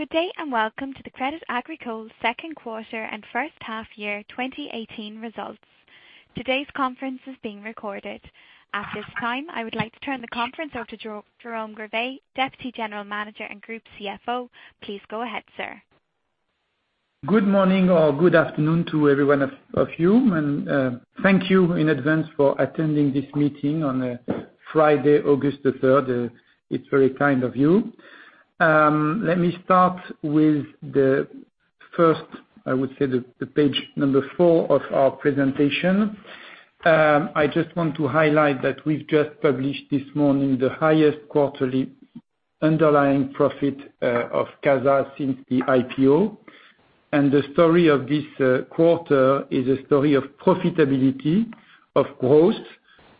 Good day, and welcome to the Crédit Agricole second quarter and first half year 2018 results. Today's conference is being recorded. At this time, I would like to turn the conference over to Jérôme Grivet, Deputy General Manager and Group CFO. Please go ahead, sir. Good morning or good afternoon to every one of you, and thank you in advance for attending this meeting on Friday, August the 3rd. It's very kind of you. Let me start with the first, I would say, the page number four of our presentation. I just want to highlight that we've just published this morning the highest quarterly underlying profit of Caza since the IPO. The story of this quarter is a story of profitability, of growth,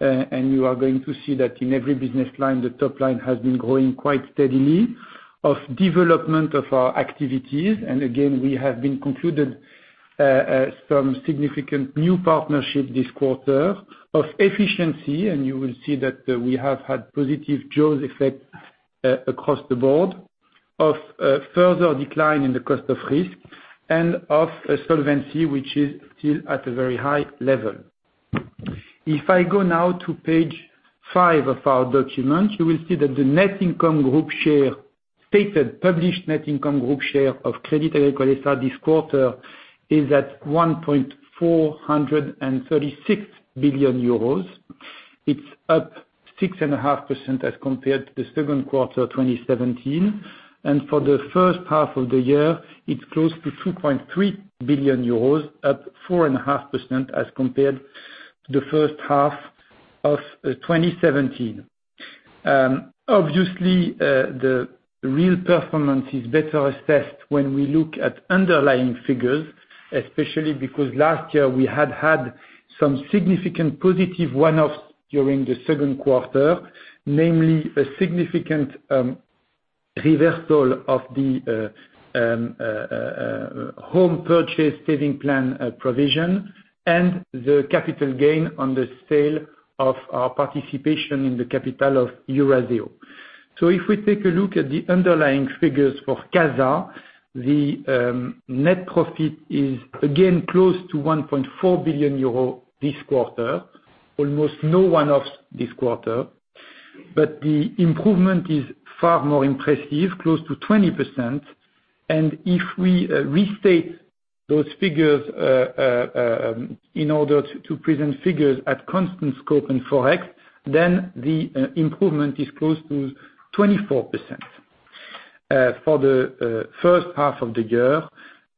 and you are going to see that in every business line, the top line has been growing quite steadily. Of development of our activities, and again, we have been concluded some significant new partnership this quarter. Of efficiency, and you will see that we have had positive jaws effect across the board. Of further decline in the cost of risk, and of solvency, which is still at a very high level. If I go now to page five of our documents, you will see that the net income group share, stated published net income group share of Crédit Agricole S.A. this quarter is at 1.436 billion euros. It's up 6.5% as compared to the second quarter of 2017. For the first half of the year, it's close to 2.3 billion euros, up 4.5% as compared to the first half of 2017. Obviously, the real performance is better assessed when we look at underlying figures, especially because last year we had had some significant positive one-offs during the second quarter, namely a significant reversal of the home purchase saving plan provision, and the capital gain on the sale of our participation in the capital of Eurazeo. So if we take a look at the underlying figures for Caza, the net profit is again close to 1.4 billion euro this quarter. Almost no one-offs this quarter, but the improvement is far more impressive, close to 20%. If we restate those figures in order to present figures at constant scope and ForEx, then the improvement is close to 24%. For the first half of the year,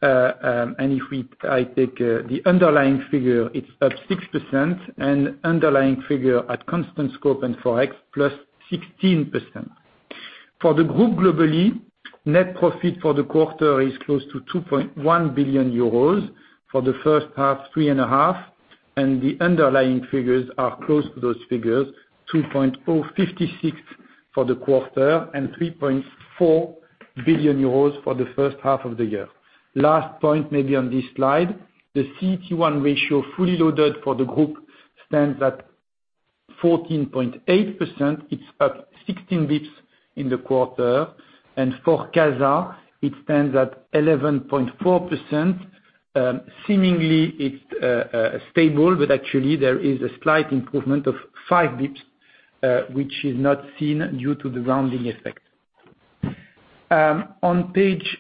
and if I take the underlying figure, it's up 6%, and underlying figure at constant scope and ForEx, plus 16%. For the group globally, net profit for the quarter is close to 2.1 billion euros. For the first half, three and a half billion EUR, and the underlying figures are close to those figures, 2.056 billion for the quarter, and 3.4 billion euros for the first half of the year. Last point maybe on this slide, the CET1 ratio fully loaded for the group stands at 14.8%. It's up 16 basis points in the quarter, and for Caza, it stands at 11.4%. Seemingly, it's stable, but actually there is a slight improvement of 5 basis points, which is not seen due to the rounding effect. On page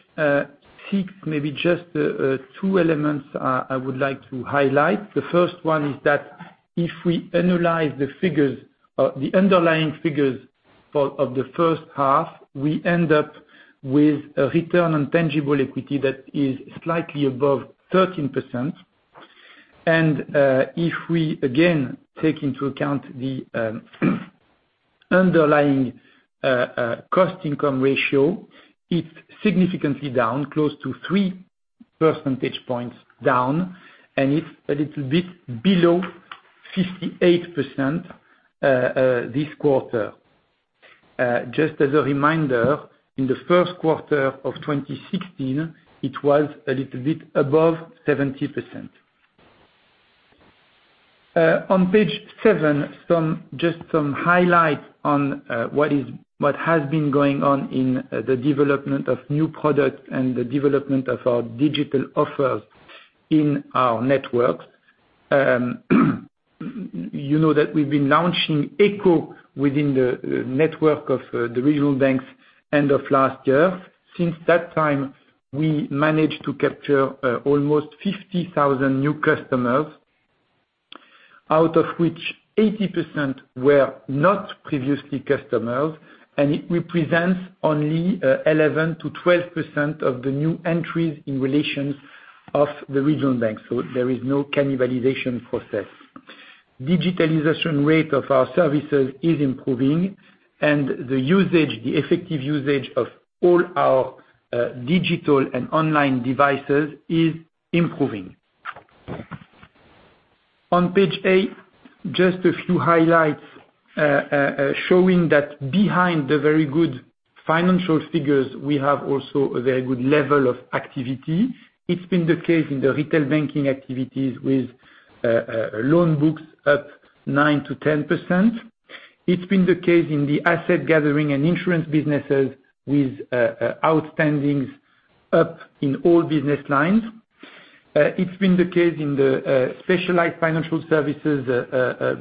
six, maybe just two elements I would like to highlight. The first one is that if we analyze the underlying figures of the first half, we end up with a return on tangible equity that is slightly above 13%. If we again take into account the underlying cost income ratio, it's significantly down, close to 3 percentage points down, and it's a little bit below 58% this quarter. Just as a reminder, in the first quarter of 2016, it was a little bit above 70%. On page seven, just some highlights on what has been going on in the development of new product and the development of our digital offers in our network. You know that we've been launching Eko within the network of the regional banks end of last year. Since that time, we managed to capture almost 50,000 new customers, out of which 80% were not previously customers, and it represents only 11%-12% of the new entries in relations of the regional bank. There is no cannibalization process. Digitalization rate of our services is improving, and the effective usage of all our digital and online devices is improving. On page eight, just a few highlights showing that behind the very good financial figures, we have also a very good level of activity. It's been the case in the retail banking activities with loan books up 9%-10%. It's been the case in the asset gathering and insurance businesses with outstandings up in all business lines. It's been the case in the specialized financial services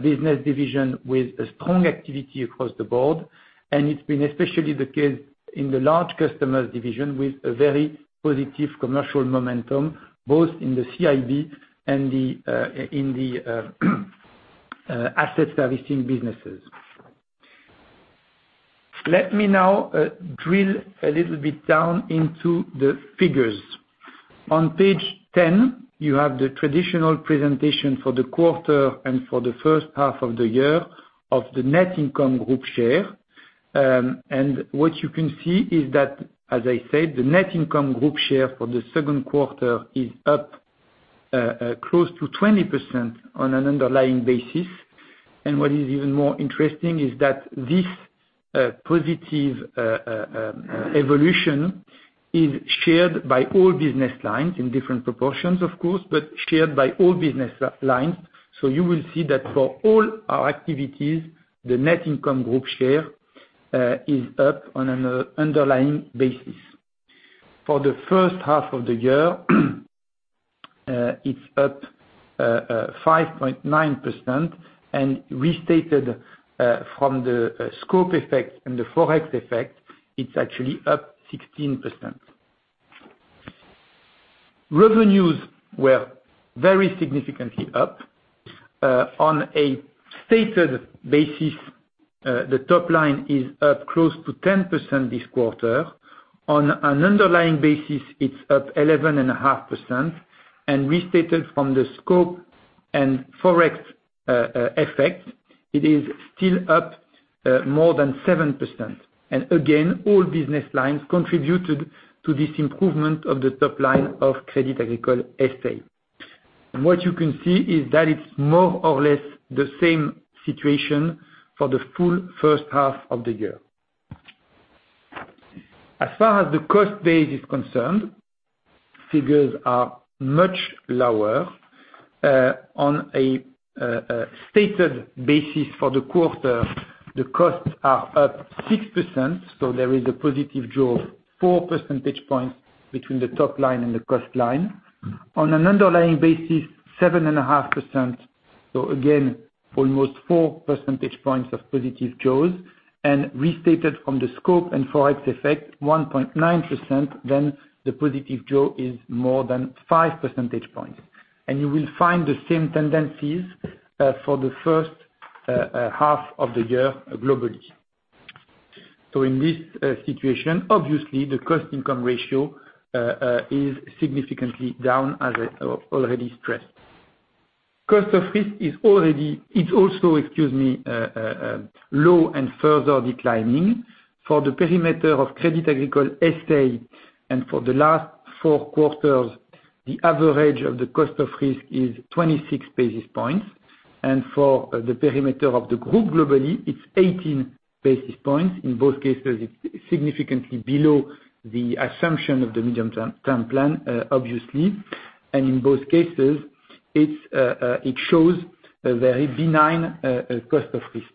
business division with strong activity across the board, and it's been especially the case in the large customers division with a very positive commercial momentum, both in the CIB and in the asset servicing businesses. Let me now drill a little bit down into the figures. On page 10, you have the traditional presentation for the quarter and for the first half of the year of the net income group share. What you can see is that, as I said, the net income group share for the second quarter is up close to 20% on an underlying basis. What is even more interesting is that this positive evolution is shared by all business lines, in different proportions of course, but shared by all business lines. You will see that for all our activities, the net income group share is up on an underlying basis. For the first half of the year, it's up 5.9% and restated from the scope effect and the ForEx effect, it's actually up 16%. Revenues were very significantly up. On a stated basis, the top line is up close to 10% this quarter. On an underlying basis, it's up 11.5%, and restated from the scope and ForEx effect, it is still up more than 7%. Again, all business lines contributed to this improvement of the top line of Crédit Agricole S.A. What you can see is that it's more or less the same situation for the full first half of the year. As far as the cost base is concerned, figures are much lower. On a stated basis for the quarter, the costs are up 6%, there is a positive jaws of four percentage points between the top line and the cost line. On an underlying basis, 7.5%. Again, almost four percentage points of positive jaws. Restated from the scope and ForEx effect, 1.9%, the positive jaws is more than five percentage points. You will find the same tendencies for the first half of the year globally. In this situation, obviously, the cost-income ratio is significantly down as I already stressed. Cost of risk is also low and further declining. For the perimeter of Crédit Agricole S.A., and for the last four quarters, the average of the cost of risk is 26 basis points. For the perimeter of the group globally, it's 18 basis points. In both cases, it's significantly below the assumption of the medium-term plan, obviously. In both cases, it shows a very benign cost of risk.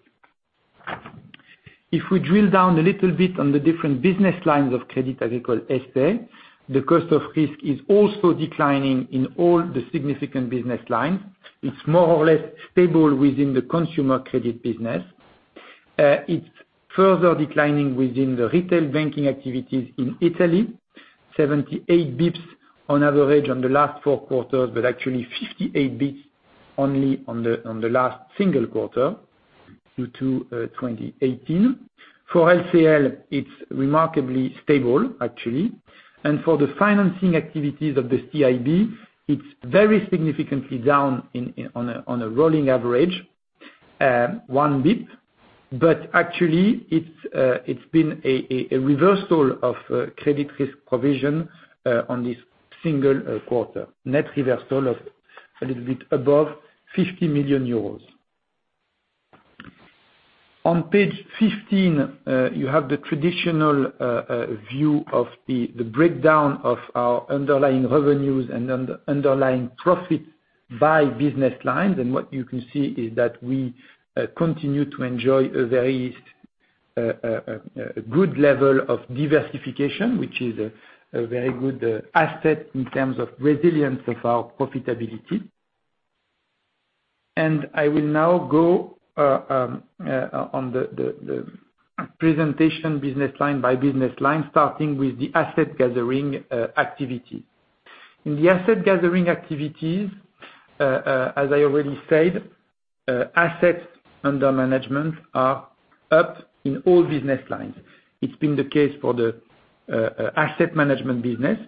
If we drill down a little bit on the different business lines of Crédit Agricole S.A., the cost of risk is also declining in all the significant business lines. It's more or less stable within the consumer credit business. It's further declining within the retail banking activities in Italy, 78 basis points on average on the last four quarters, but actually 58 basis points only on the last single quarter due to 2018. For LCL, it's remarkably stable, actually. For the financing activities of the CIB, it's very significantly down on a rolling average, one basis point. Actually, it's been a reversal of credit risk provision on this single quarter. Net reversal of a little bit above 50 million euros. On page 15, you have the traditional view of the breakdown of our underlying revenues and underlying profit by business lines. What you can see is that we continue to enjoy a very good level of diversification, which is a very good asset in terms of resilience of our profitability. I will now go on the presentation business line by business line, starting with the asset gathering activity. In the asset gathering activities, as I already said, assets under management are up in all business lines. It's been the case for the asset management business.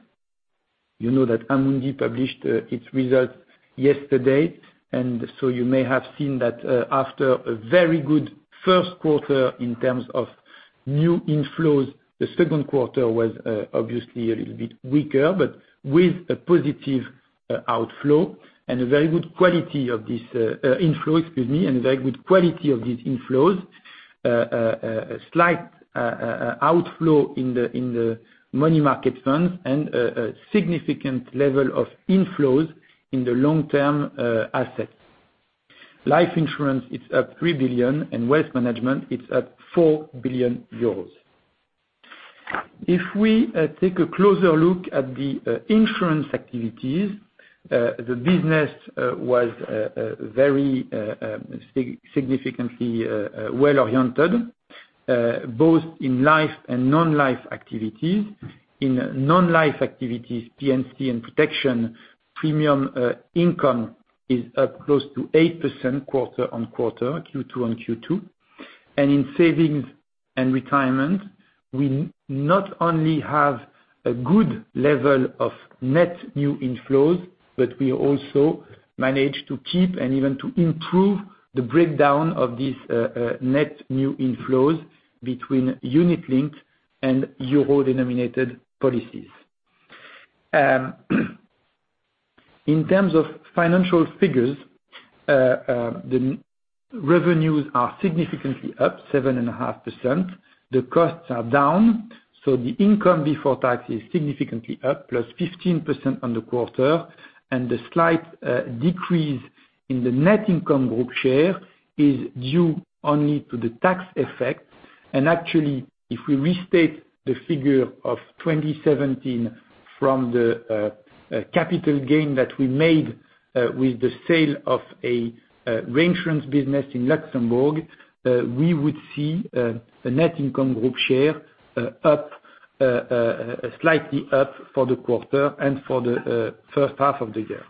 You know that Amundi published its results yesterday, you may have seen that after a very good first quarter in terms of new inflows, the second quarter was obviously a little bit weaker, but with a positive outflow and a very good quality of this inflow, excuse me, and a very good quality of these inflows, a slight outflow in the money market funds and a significant level of inflows in the long-term assets. Life insurance is up 3 billion, Wealth management is up 4 billion euros. If we take a closer look at the insurance activities, the business was very significantly well-oriented, both in life and non-life activities. In non-life activities, P&C and protection premium income is up close to 8% quarter on quarter, Q2 on Q2. In savings and retirement, we not only have a good level of net new inflows, but we also manage to keep and even to improve the breakdown of these net new inflows between unit link and euro-denominated policies. In terms of financial figures, the revenues are significantly up 7.5%. The costs are down. The income before tax is significantly up, plus 15% on the quarter. The slight decrease in the net income group share is due only to the tax effect. Actually, if we restate the figure of 2017 from the capital gain that we made with the sale of a reinsurance business in Luxembourg, we would see a net income group share slightly up for the quarter and for the first half of the year.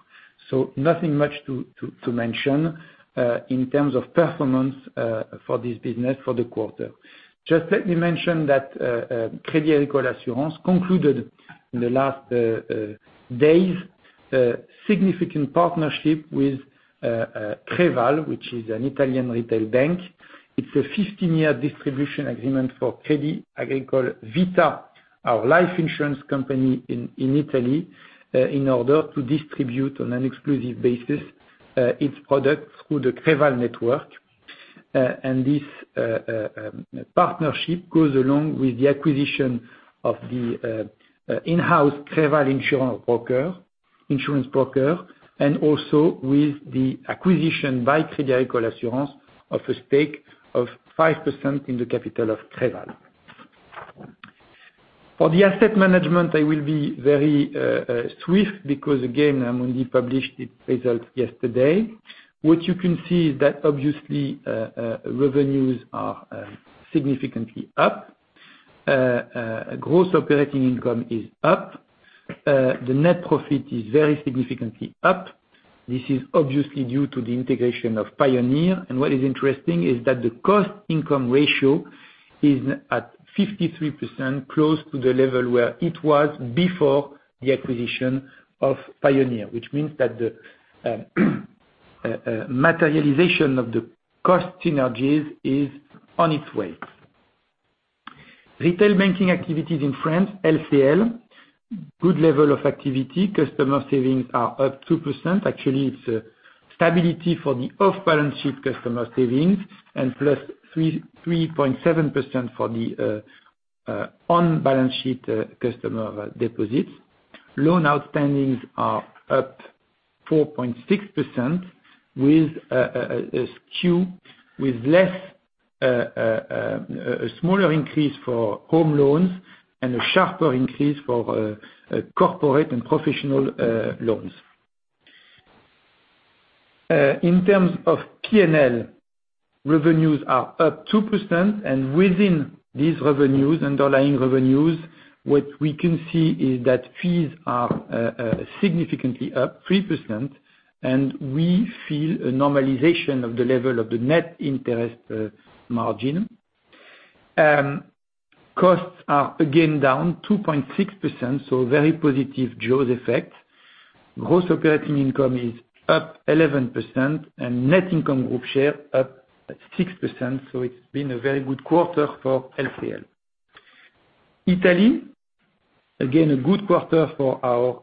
Nothing much to mention in terms of performance for this business for the quarter. Just let me mention that Crédit Agricole Assurances concluded in the last days a significant partnership with Creval, which is an Italian retail bank. It's a 15-year distribution agreement for Crédit Agricole Vita, our life insurance company in Italy, in order to distribute on an exclusive basis its product through the Creval network. This partnership goes along with the acquisition of the in-house Creval insurance broker, also with the acquisition by Crédit Agricole Assurances of a stake of 5% in the capital of Creval. For the asset management, I will be very swift because, again, Amundi published its results yesterday. What you can see is that obviously, revenues are significantly up. Gross operating income is up. The net profit is very significantly up. This is obviously due to the integration of Pioneer. What is interesting is that the cost-income ratio is at 53%, close to the level where it was before the acquisition of Pioneer, which means that the materialization of the cost synergies is on its way. Retail banking activities in France, LCL, good level of activity. Customer savings are up 2%. Actually, it's a stability for the off-balance sheet customer savings, plus 3.7% for the on-balance sheet customer deposits. Loan outstandings are up 4.6% with a skew with a smaller increase for home loans and a sharper increase for corporate and professional loans. In terms of P&L, revenues are up 2%. Within these revenues, underlying revenues, what we can see is that fees are significantly up 3%. We feel a normalization of the level of the net interest margin. Costs are again down 2.6%. Very positive jaws effect. Gross operating income is up 11%. Net income group share up 6%. It's been a very good quarter for LCL. Italy, again, a good quarter for our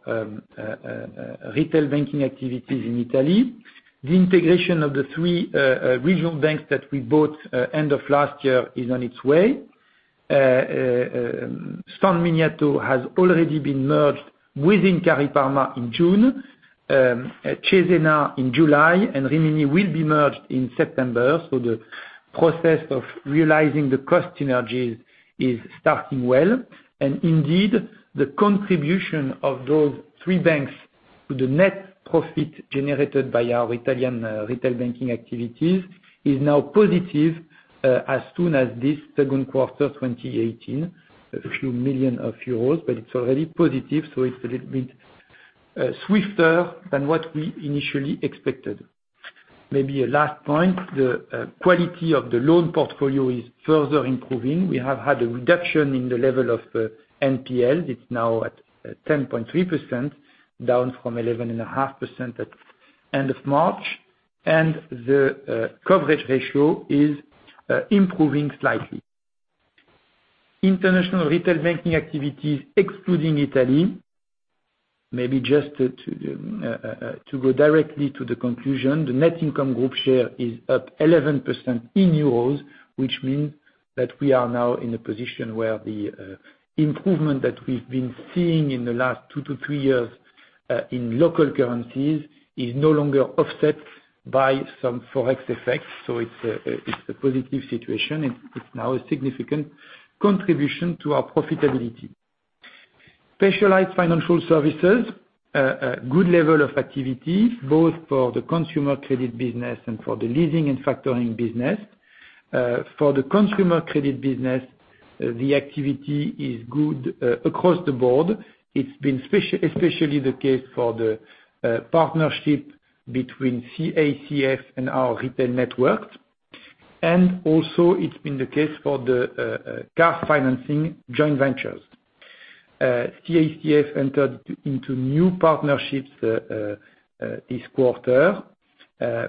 retail banking activities in Italy. The integration of the three regional banks that we bought end of last year is on its way. San Miniato has already been merged within CariParma in June, Cesena in July. Rimini will be merged in September. The process of realizing the cost synergies is starting well. Indeed, the contribution of those three banks to the net profit generated by our Italian retail banking activities is now positive as soon as this second quarter 2018, a few million EUR. It's already positive. It's a little bit swifter than what we initially expected. Maybe a last point, the quality of the loan portfolio is further improving. We have had a reduction in the level of NPLs. It's now at 10.3%, down from 11.5% at end of March. The coverage ratio is improving slightly. International retail banking activities excluding Italy, maybe just to go directly to the conclusion, the net income group share is up 11% in EUR, which means that we are now in a position where the improvement that we've been seeing in the last two to three years in local currencies, is no longer offset by some ForEx effects. It's a positive situation, and it's now a significant contribution to our profitability. Specialized Financial Services, good level of activity, both for the consumer credit business and for the leasing and factoring business. For the consumer credit business, the activity is good across the board. It's been especially the case for the partnership between CACF and our retail networks. Also it's been the case for the car financing joint ventures. CACF entered into new partnerships this quarter,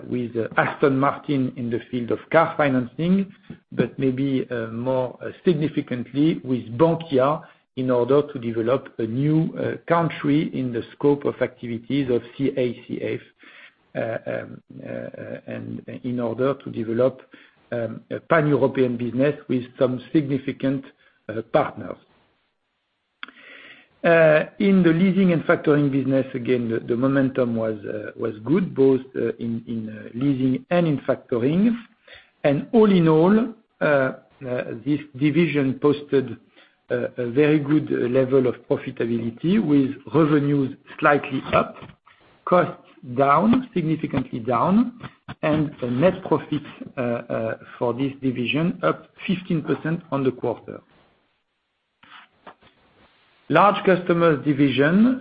with Aston Martin in the field of car financing, but maybe more significantly with Bankia in order to develop a new country in the scope of activities of CACF, and in order to develop pan-European business with some significant partners. In the leasing and factoring business, again, the momentum was good, both in leasing and in factoring. All in all, this division posted a very good level of profitability with revenues slightly up, costs down, significantly down, and the net profits for this division up 15% on the quarter. Large Customers Division,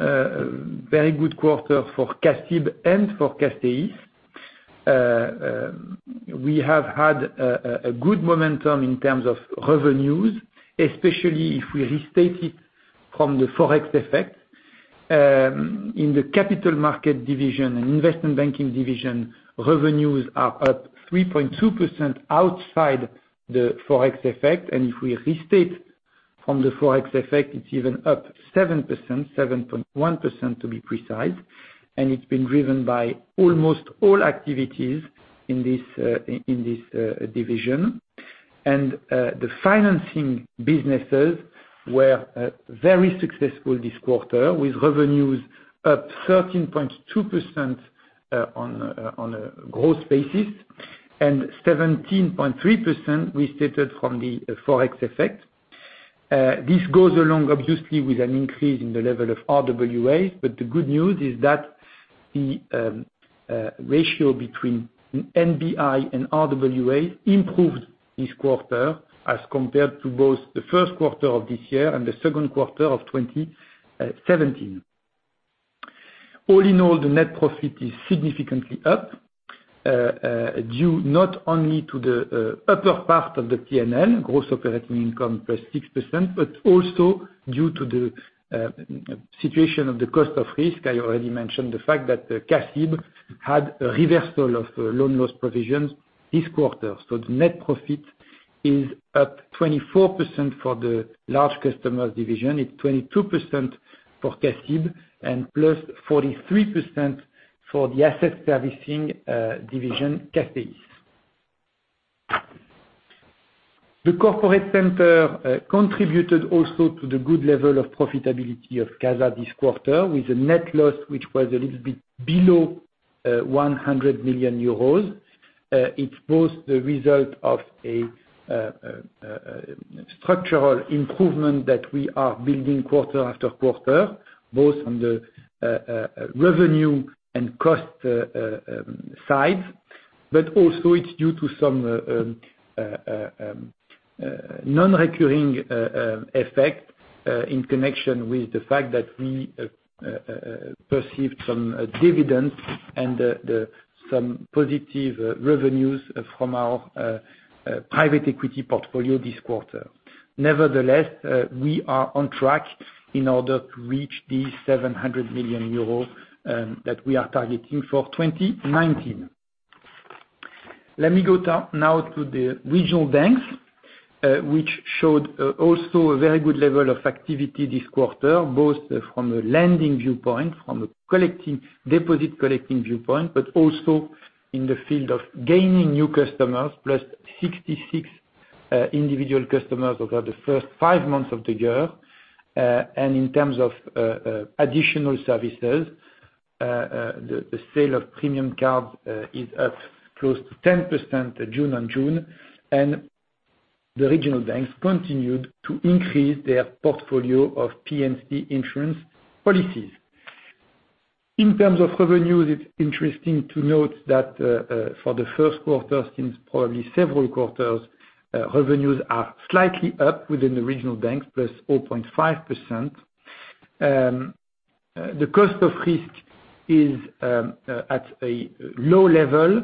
very good quarter for CA-CIB and for CACEIS. We have had a good momentum in terms of revenues, especially if we restate it from the ForEx effect. In the capital market division and investment banking division, revenues are up 3.2% outside the ForEx effect. If we restate from the ForEx effect, it's even up 7%, 7.1% to be precise. It's been driven by almost all activities in this division. The financing businesses were very successful this quarter, with revenues up 13.2% on a gross basis and 17.3% restated from the ForEx effect. This goes along obviously with an increase in the level of RWAs, but the good news is that the ratio between NBI and RWAs improved this quarter as compared to both the first quarter of this year and the second quarter of 2017. All in all, the net profit is significantly up, due not only to the upper part of the GOI, Gross Operating Income, +6%, but also due to the situation of the cost of risk. I already mentioned the fact that CA-CIB had a reversal of loan loss provisions this quarter. The net profit is up 24% for the Large Customers Division. It's 22% for CA-CIB and +43% for the Asset Servicing Division, CACEIS. The Corporate Center contributed also to the good level of profitability of Crédit Agricole S.A. this quarter, with a net loss which was a little bit below 100 million euros. It is both the result of a structural improvement that we are building quarter after quarter, both on the revenue and cost sides. Also, it is due to some non-recurring effect in connection with the fact that we received some dividends and some positive revenues from our private equity portfolio this quarter. Nevertheless, we are on track in order to reach the 700 million euros that we are targeting for 2019. Let me go now to the regional banks, which showed also a very good level of activity this quarter, both from a lending viewpoint, from a deposit collecting viewpoint, but also in the field of gaining new customers, plus 66 individual customers over the first five months of the year. In terms of additional services, the sale of premium cards is up close to 10% June-on-June. The regional banks continued to increase their portfolio of P&C insurance policies. In terms of revenues, it is interesting to note that for the first quarter, since probably several quarters, revenues are slightly up within the regional banks, plus 0.5%. The cost of risk is at a low level.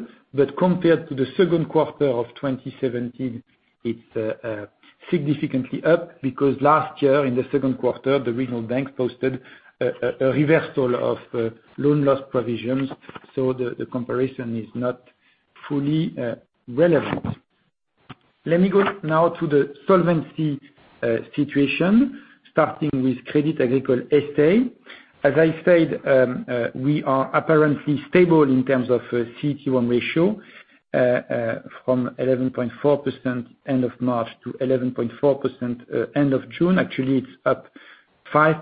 Compared to the second quarter of 2017, it is significantly up because last year in the second quarter, the regional bank posted a reversal of loan loss provisions. The comparison is not fully relevant. Let me go now to the solvency situation, starting with Crédit Agricole S.A. As I said, we are apparently stable in terms of CET1 ratio, from 11.4% end of March to 11.4% end of June. Actually, it is up five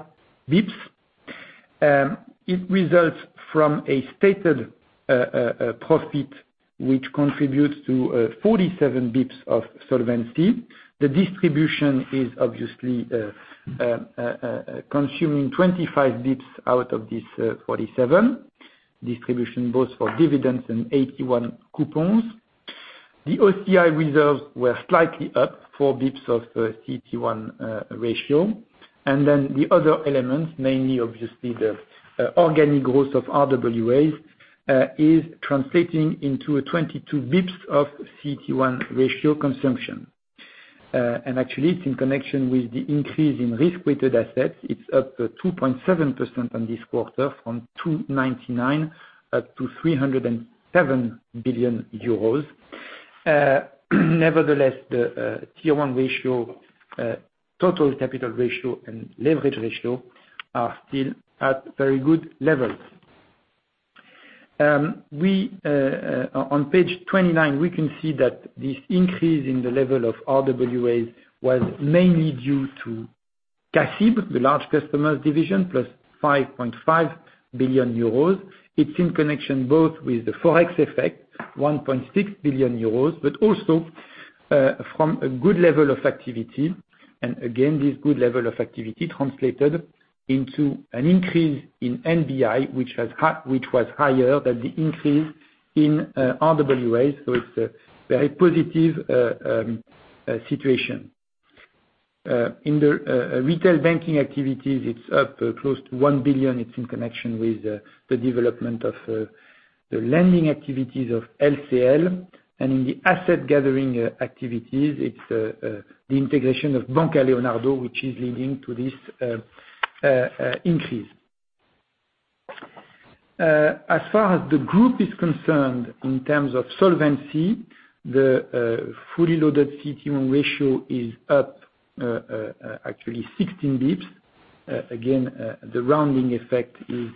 basis points. It results from a stated profit, which contributes to 47 basis points of solvency. The distribution is obviously consuming 25 basis points out of this 47. Distribution both for dividends and 81 coupons. The OCI reserves were slightly up four basis points of CET1 ratio. The other elements, mainly obviously the organic growth of RWAs, is translating into a 22 basis points of CET1 ratio consumption. Actually, it is in connection with the increase in risk-weighted assets. It is up 2.7% on this quarter, from 299 billion-307 billion euros. The tier one ratio, total capital ratio, and leverage ratio are still at very good levels. On page 29, we can see that this increase in the level of RWAs was mainly due to CA-CIB, the large customers division, plus 5.5 billion euros. It is in connection both with the ForEx effect, 1.6 billion euros, but also from a good level of activity. Again, this good level of activity translated into an increase in NBI, which was higher than the increase in RWAs, so it is a very positive situation. In the retail banking activities, it is up close to 1 billion. It is in connection with the development of the lending activities of LCL, and in the asset gathering activities, it is the integration of Banca Leonardo, which is leading to this increase. As far as the group is concerned in terms of solvency, the fully loaded CET1 ratio is up actually 16 basis points. Again, the rounding effect is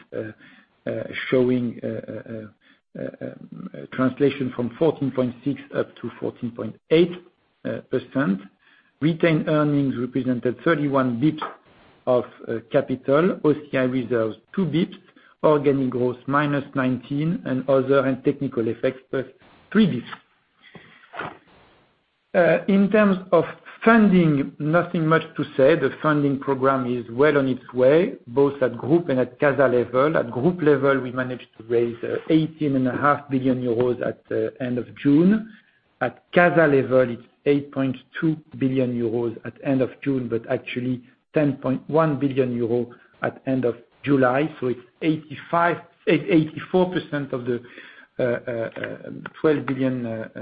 showing a translation from 14.6%-14.8%. Retained earnings represented 31 basis points of capital, OCI reserves two basis points, organic growth minus 19 basis points, and other and technical effects plus three basis points. In terms of funding, nothing much to say. The funding program is well on its way, both at group and at CA S.A. level. At group level, we managed to raise 18.5 billion euros at the end of June. At Caza level, it is 8.2 billion euros at end of June, but actually 10.1 billion euros at end of July, it is 84% of the 12 billion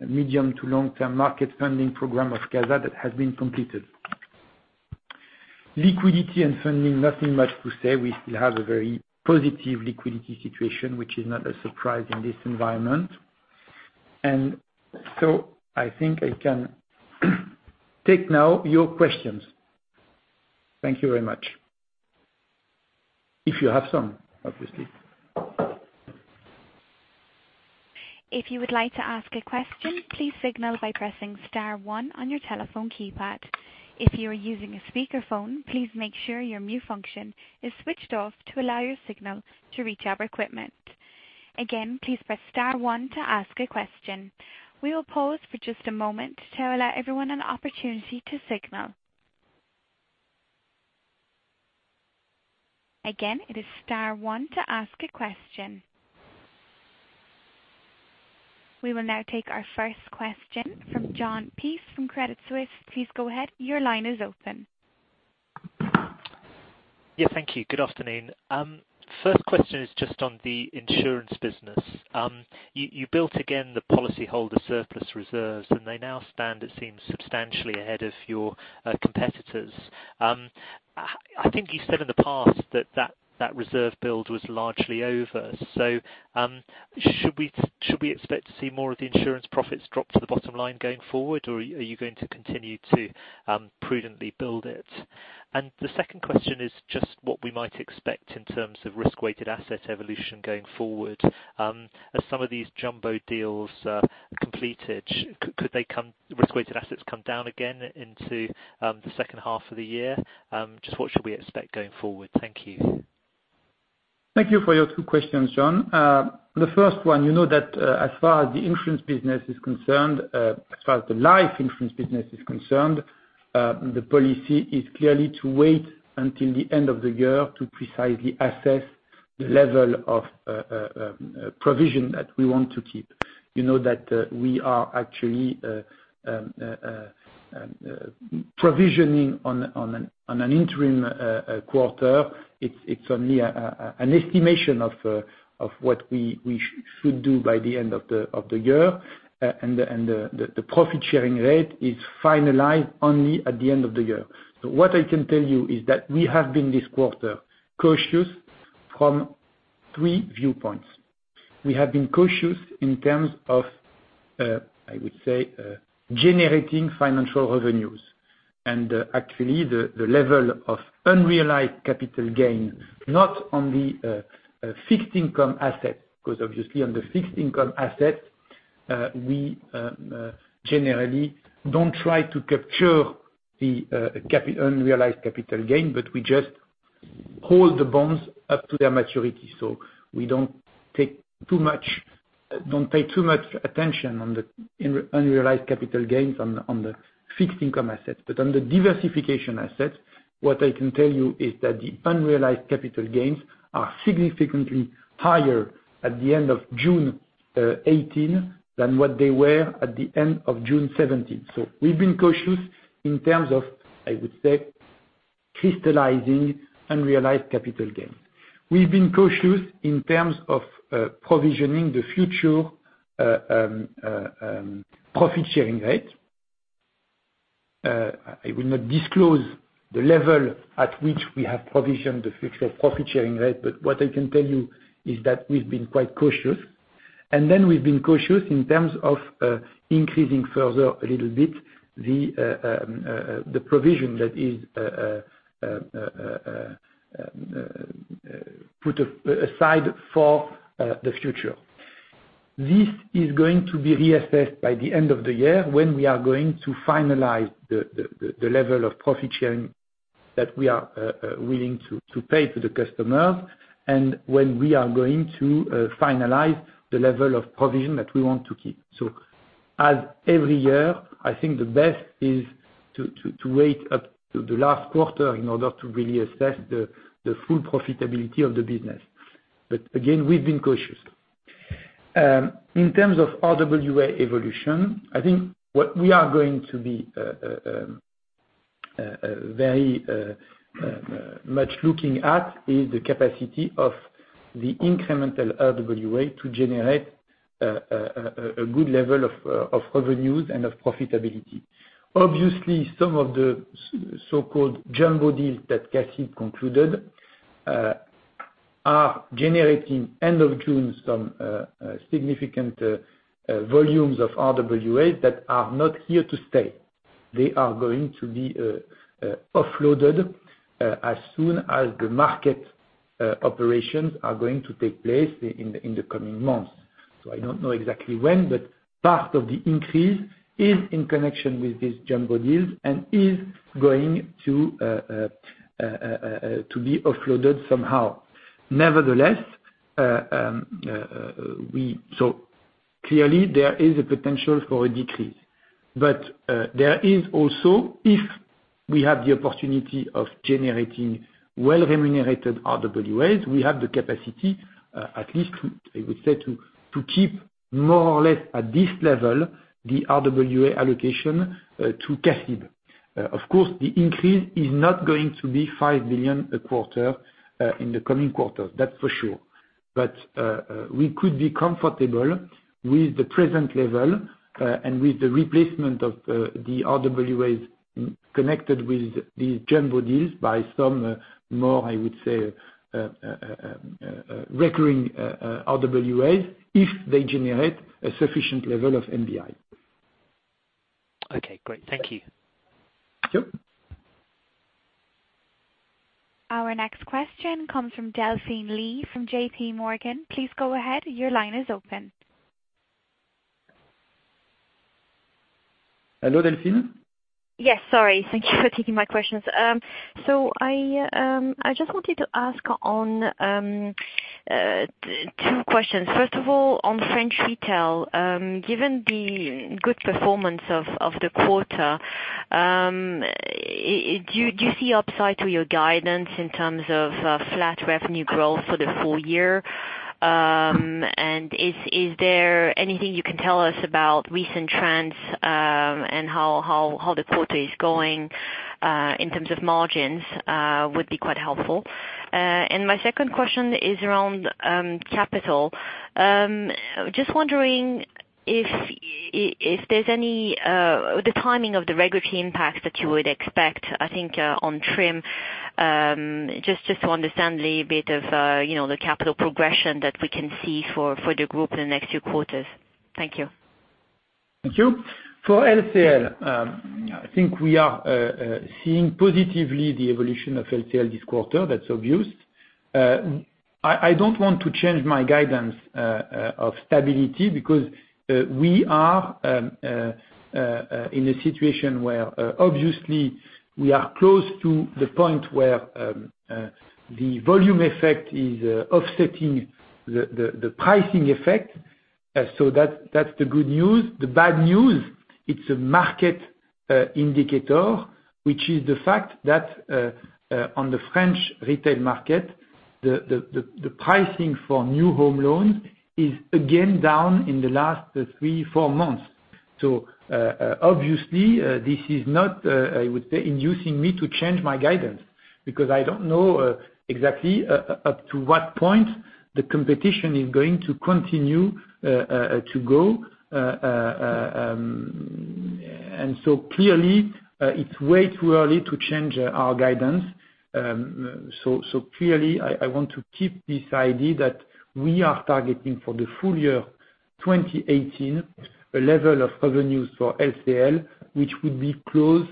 medium to long-term market funding program of Caza that has been completed. Liquidity and funding, nothing much to say. We still have a very positive liquidity situation, which is not a surprise in this environment. I think I can take now your questions. Thank you very much. If you have some, obviously. If you would like to ask a question, please signal by pressing star one on your telephone keypad. If you are using a speakerphone, please make sure your mute function is switched off to allow your signal to reach our equipment. Again, please press star one to ask a question. We will pause for just a moment to allow everyone an opportunity to signal. Again, it is star one to ask a question. We will now take our first question from Jon Peace from Credit Suisse. Please go ahead. Your line is open. Yeah, thank you. Good afternoon. First question is just on the insurance business. You built again the policyholder surplus reserves, and they now stand, it seems, substantially ahead of your competitors. I think you said in the past that that reserve build was largely over. Should we expect to see more of the insurance profits drop to the bottom line going forward, or are you going to continue to prudently build it? The second question is just what we might expect in terms of risk-weighted asset evolution going forward. As some of these jumbo deals completed, could risk-weighted assets come down again into the second half of the year? Just what should we expect going forward? Thank you. Thank you for your two questions, Jon. The first one, you know that as far as the life insurance business is concerned, the policy is clearly to wait until the end of the year to precisely assess the level of provision that we want to keep. You know that we are actually provisioning on an interim quarter. It is only an estimation of what we should do by the end of the year. The profit-sharing rate is finalized only at the end of the year. What I can tell you is that we have been, this quarter, cautious from three viewpoints. We have been cautious in terms of, I would say, generating financial revenues. Actually, the level of unrealized capital gain, not on the fixed income asset, because obviously on the fixed income asset, we generally don't try to capture the unrealized capital gain, but we just hold the bonds up to their maturity. We don't pay too much attention on the unrealized capital gains on the fixed income assets. On the diversification assets, what I can tell you is that the unrealized capital gains are significantly higher at the end of June 2018 than what they were at the end of June 2017. We've been cautious in terms of, I would say, crystallizing unrealized capital gains. We've been cautious in terms of provisioning the future profit-sharing rate. I will not disclose the level at which we have provisioned the fixed profit-sharing rate, but what I can tell you is that we've been quite cautious. We've been cautious in terms of increasing further a little bit the provision that is put aside for the future. This is going to be reassessed by the end of the year, when we are going to finalize the level of profit-sharing that we are willing to pay to the customer, and when we are going to finalize the level of provision that we want to keep. As every year, I think the best is to wait up to the last quarter in order to really assess the full profitability of the business. Again, we've been cautious. In terms of RWA evolution, I think what we are going to be very much looking at is the capacity of the incremental RWA to generate a good level of revenues and of profitability. Obviously, some of the so-called jumbo deals that CA-CIB concluded are generating, end of June, some significant volumes of RWAs that are not here to stay. They are going to be offloaded as soon as the market operations are going to take place in the coming months. I don't know exactly when, but part of the increase is in connection with these jumbo deals and is going to be offloaded somehow. Nevertheless, clearly there is a potential for a decrease. There is also, if we have the opportunity of generating well-remunerated RWAs, we have the capacity, at least, I would say, to keep more or less at this level, the RWA allocation to CA-CIB. Of course, the increase is not going to be 5 million a quarter in the coming quarters. That's for sure. We could be comfortable with the present level, and with the replacement of the RWAs connected with these jumbo deals by some more, I would say, recurring RWAs, if they generate a sufficient level of NBI. Okay, great. Thank you. Sure. Our next question comes from Delphine Lee from JPMorgan. Please go ahead. Your line is open. Hello, Delphine. Yes, sorry. Thank you for taking my questions. I just wanted to ask two questions. First of all, on French retail, given the good performance of the quarter, do you see upside to your guidance in terms of flat revenue growth for the full year? Is there anything you can tell us about recent trends, and how the quarter is going, in terms of margins? Would be quite helpful. My second question is around capital. Just wondering if there's the timing of the regulatory impact that you would expect, I think, on TRIM. Just to understand a little bit of the capital progression that we can see for the group in the next few quarters. Thank you. Thank you. For LCL, I think we are seeing positively the evolution of LCL this quarter. That's obvious. I don't want to change my guidance of stability because we are in a situation where, obviously, we are close to the point where the volume effect is offsetting the pricing effect. That's the good news. The bad news, it's a market indicator, which is the fact that on the French retail market, the pricing for new home loans is again down in the last three, four months. Obviously, this is not, I would say, inducing me to change my guidance, because I don't know exactly up to what point the competition is going to continue to go. Clearly, it's way too early to change our guidance. Clearly, I want to keep this idea that we are targeting for the full year 2018, a level of revenues for LCL, which would be close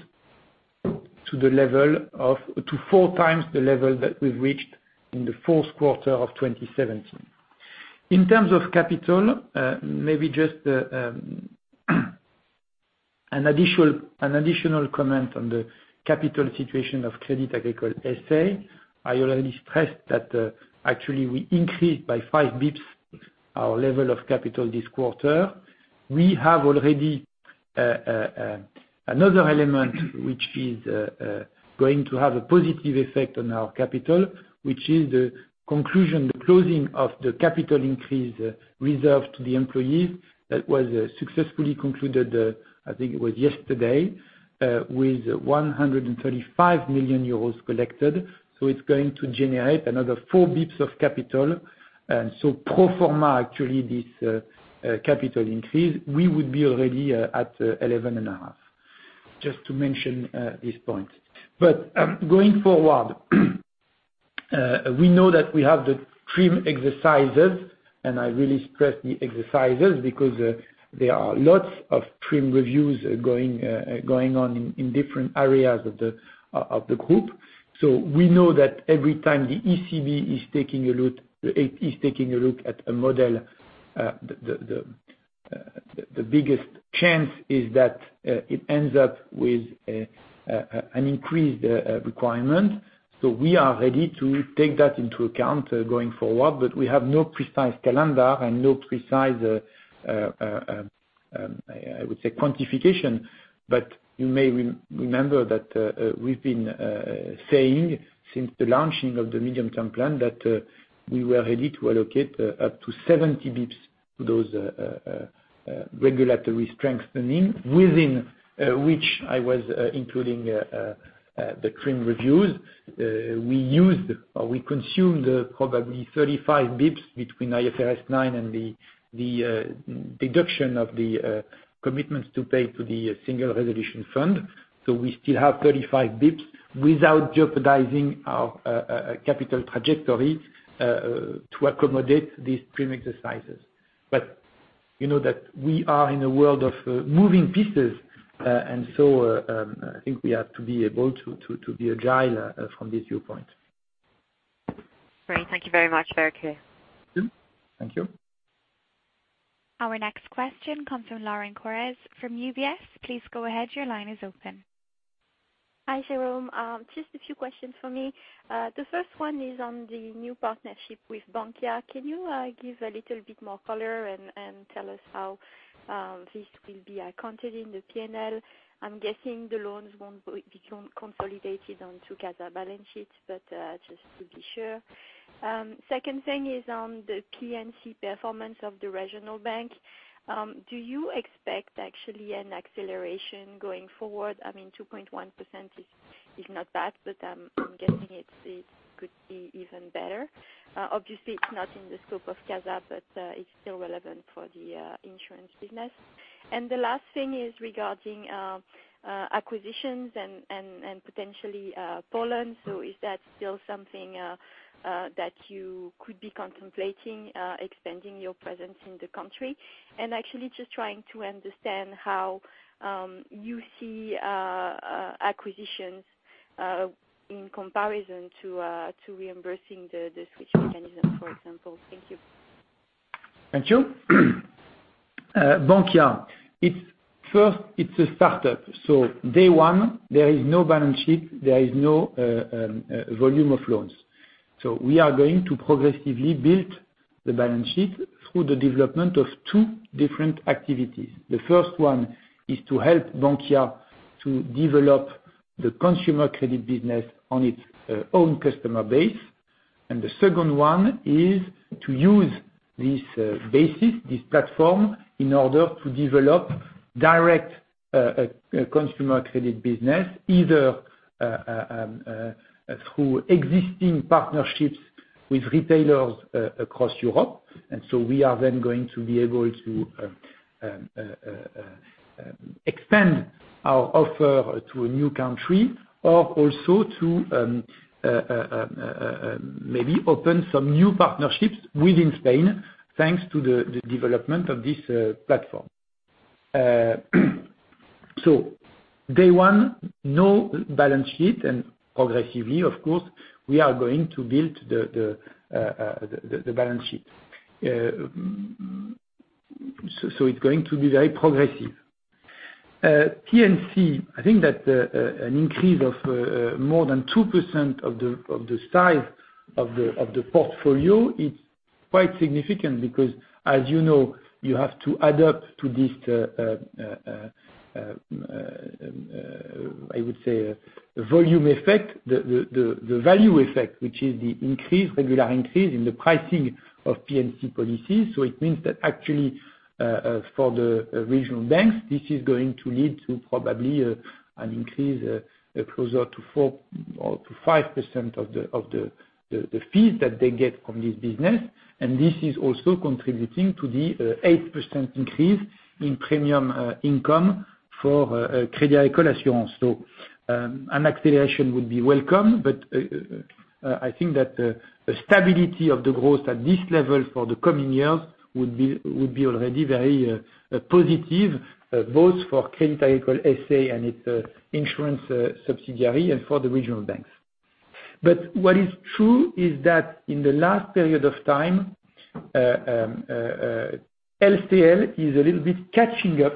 to four times the level that we've reached in the fourth quarter of 2017. In terms of capital, maybe just an additional comment on the capital situation of Crédit Agricole S.A. I already stressed that actually we increased by five basis points our level of capital this quarter. We have already another element which is going to have a positive effect on our capital, which is the conclusion, the closing of the capital increase reserved to the employees. That was successfully concluded, I think it was yesterday, with 135 million euros collected. It's going to generate another four basis points of capital. Pro forma, actually, this capital increase, we would be already at 11.5%. Just to mention this point. Going forward, we know that we have the TRIM exercises, and I really stress the exercises because there are lots of TRIM reviews going on in different areas of the group. We know that every time the ECB is taking a look at a model, the biggest chance is that it ends up with an increased requirement. We are ready to take that into account going forward, but we have no precise calendar and no precise, I would say, quantification. You may remember that we've been saying since the launching of the medium-term plan that we were ready to allocate up to 70 basis points to those regulatory strengthening, within which I was including the TRIM reviews. We consumed probably 35 basis points between IFRS 9 and the deduction of the commitments to pay to the Single Resolution Fund. We still have 35 basis points without jeopardizing our capital trajectory to accommodate these TRIM exercises. You know that we are in a world of moving pieces, I think we have to be able to be agile from this viewpoint. Great. Thank you very much, Jérôme. Thank you. Our next question comes from Flora Bocahut from UBS. Please go ahead. Your line is open. Hi, Jérôme. Just a few questions for me. The first one is on the new partnership with Bankia. Can you give a little bit more color and tell us how this will be accounted in the P&L? I'm guessing the loans won't be consolidated on two Caza balance sheets, but just to be sure. Second thing is on the P&C performance of the regional bank. Do you expect actually an acceleration going forward? I mean, 2.1% is not bad, but I'm guessing it could be even better. Obviously, it's not in the scope of Caza, but it's still relevant for the insurance business. The last thing is regarding acquisitions and potentially Poland. Is that still something that you could be contemplating extending your presence in the country? Actually, just trying to understand how you see acquisitions in comparison to reimbursing the switch mechanism, for example. Thank you. Thank you. Bankia. Day one, there is no balance sheet, there is no volume of loans. We are going to progressively build the balance sheet through the development of two different activities. The first one is to help Bankia to develop the consumer credit business on its own customer base. The second one is to use this basis, this platform, in order to develop direct consumer credit business, either through existing partnerships with retailers across Europe. We are then going to be able to expand our offer to a new country or also to maybe open some new partnerships within Spain, thanks to the development of this platform. Day one, no balance sheet, and progressively, of course, we are going to build the balance sheet. It is going to be very progressive. P&C, I think that an increase of more than 2% of the size of the portfolio, it's quite significant because as you know, you have to add up to this, I would say, volume effect, the value effect, which is the regular increase in the pricing of P&C policies. It means that actually for the regional banks, this is going to lead to probably an increase closer to 4% or to 5% of the fees that they get from this business. This is also contributing to the 8% increase in premium income for Crédit Agricole Assurances. An acceleration would be welcome, I think that the stability of the growth at this level for the coming years would be already very positive, both for Crédit Agricole S.A. and its insurance subsidiary and for the regional banks. What is true is that in the last period of time, LCL is a little bit catching up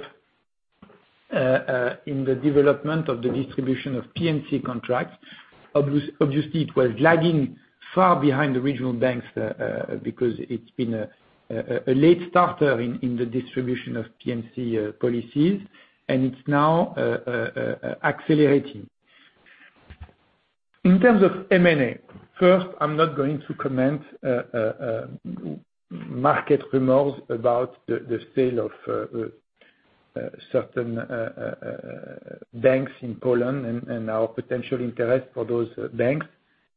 in the development of the distribution of P&C contracts. Obviously, it was lagging far behind the regional banks, because it's been a late starter in the distribution of P&C policies, and it's now accelerating. In terms of M&A, first, I'm not going to comment market rumors about the sale of certain banks in Poland and our potential interest for those banks.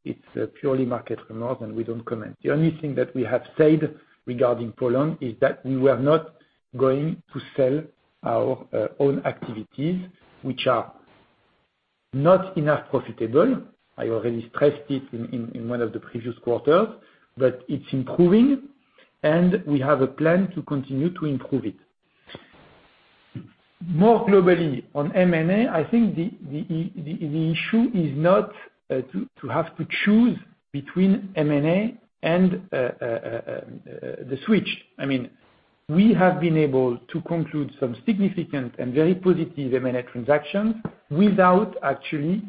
It's a purely market rumor, we don't comment. The only thing that we have said regarding Poland is that we were not going to sell our own activities, which are not enough profitable. I already stressed it in one of the previous quarters, it's improving, we have a plan to continue to improve it. More globally on M&A, I think the issue is not to have to choose between M&A and the switch. We have been able to conclude some significant and very positive M&A transactions without actually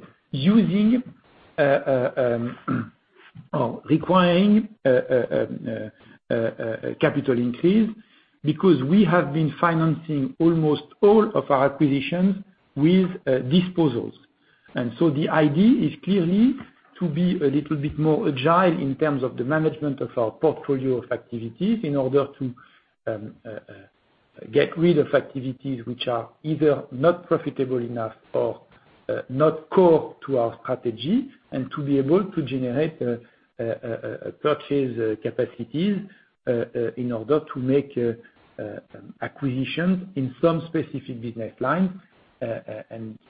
requiring a capital increase, because we have been financing almost all of our acquisitions with disposals. The idea is clearly to be a little bit more agile in terms of the management of our portfolio of activities in order to get rid of activities which are either not profitable enough or not core to our strategy, to be able to generate purchase capacities in order to make acquisitions in some specific business line.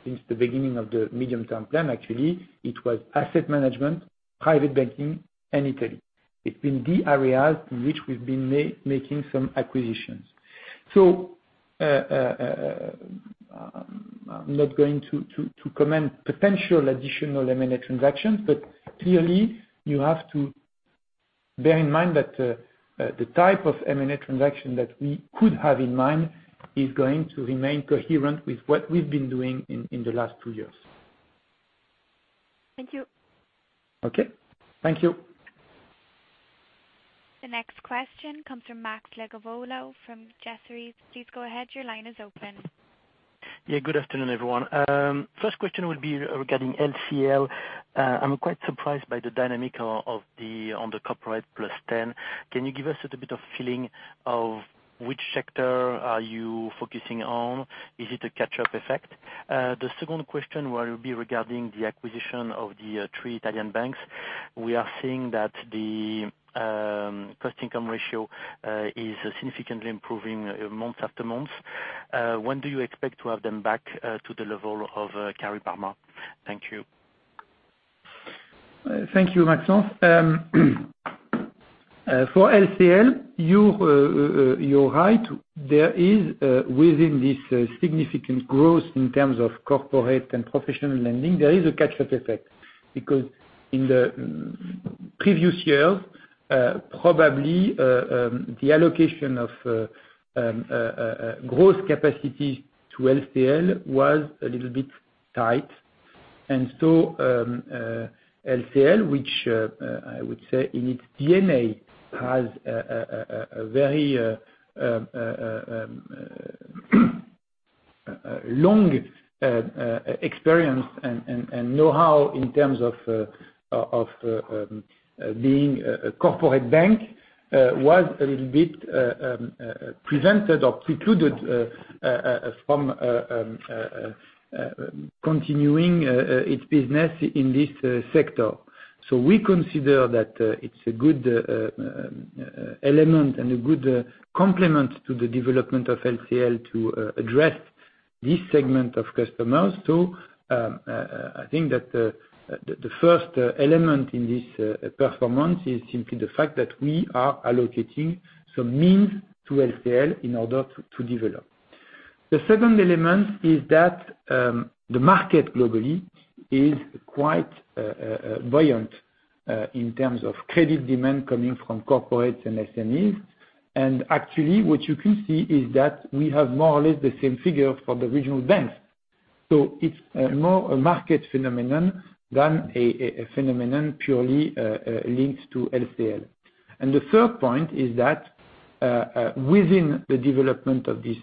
Since the beginning of the medium-term plan, actually, it was asset management, private banking, and Italy. It's been the areas in which we've been making some acquisitions. I'm not going to comment potential additional M&A transactions, but clearly you have to bear in mind that the type of M&A transaction that we could have in mind is going to remain coherent with what we've been doing in the last two years. Thank you. Okay. Thank you. The next question comes from Maxime Levi from Jefferies. Please go ahead. Your line is open. Good afternoon, everyone. First question will be regarding LCL. I'm quite surprised by the dynamic on the corporate plus 10. Can you give us a little bit of feeling of which sector are you focusing on? Is it a catch-up effect? The second question will be regarding the acquisition of the three Italian banks. We are seeing that the cost income ratio is significantly improving month after month. When do you expect to have them back to the level of Cariparma? Thank you. Thank you, Max. For LCL, you're right. There is within this significant growth in terms of corporate and professional lending, there is a catch-up effect, because in the previous years, probably, the allocation of growth capacity to LCL was a little bit tight. LCL, which I would say in its DNA, has a very long experience and know-how in terms of being a corporate bank, was a little bit presented or precluded from continuing its business in this sector. We consider that it's a good element and a good complement to the development of LCL to address this segment of customers too. I think that the first element in this performance is simply the fact that we are allocating some means to LCL in order to develop. The second element is that the market globally is quite buoyant in terms of credit demand coming from corporates and SMEs. Actually, what you can see is that we have more or less the same figure for the regional banks. It's more a market phenomenon than a phenomenon purely linked to LCL. The third point is that, within the development of these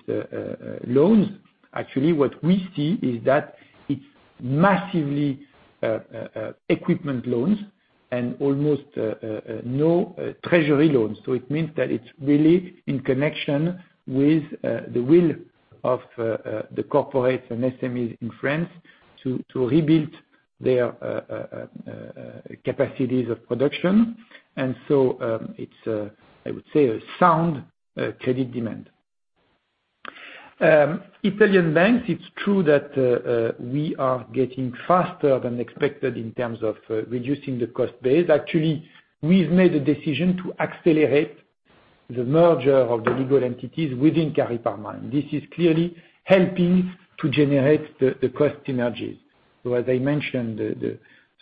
loans, actually what we see is that it's massively equipment loans and almost no treasury loans. It means that it's really in connection with the will of the corporates and SMEs in France to rebuild their capacities of production. It's, I would say, a sound credit demand. Italian banks, it's true that we are getting faster than expected in terms of reducing the cost base. Actually, we've made a decision to accelerate the merger of the legal entities within Cariparma. This is clearly helping to generate the cost synergies. As I mentioned, the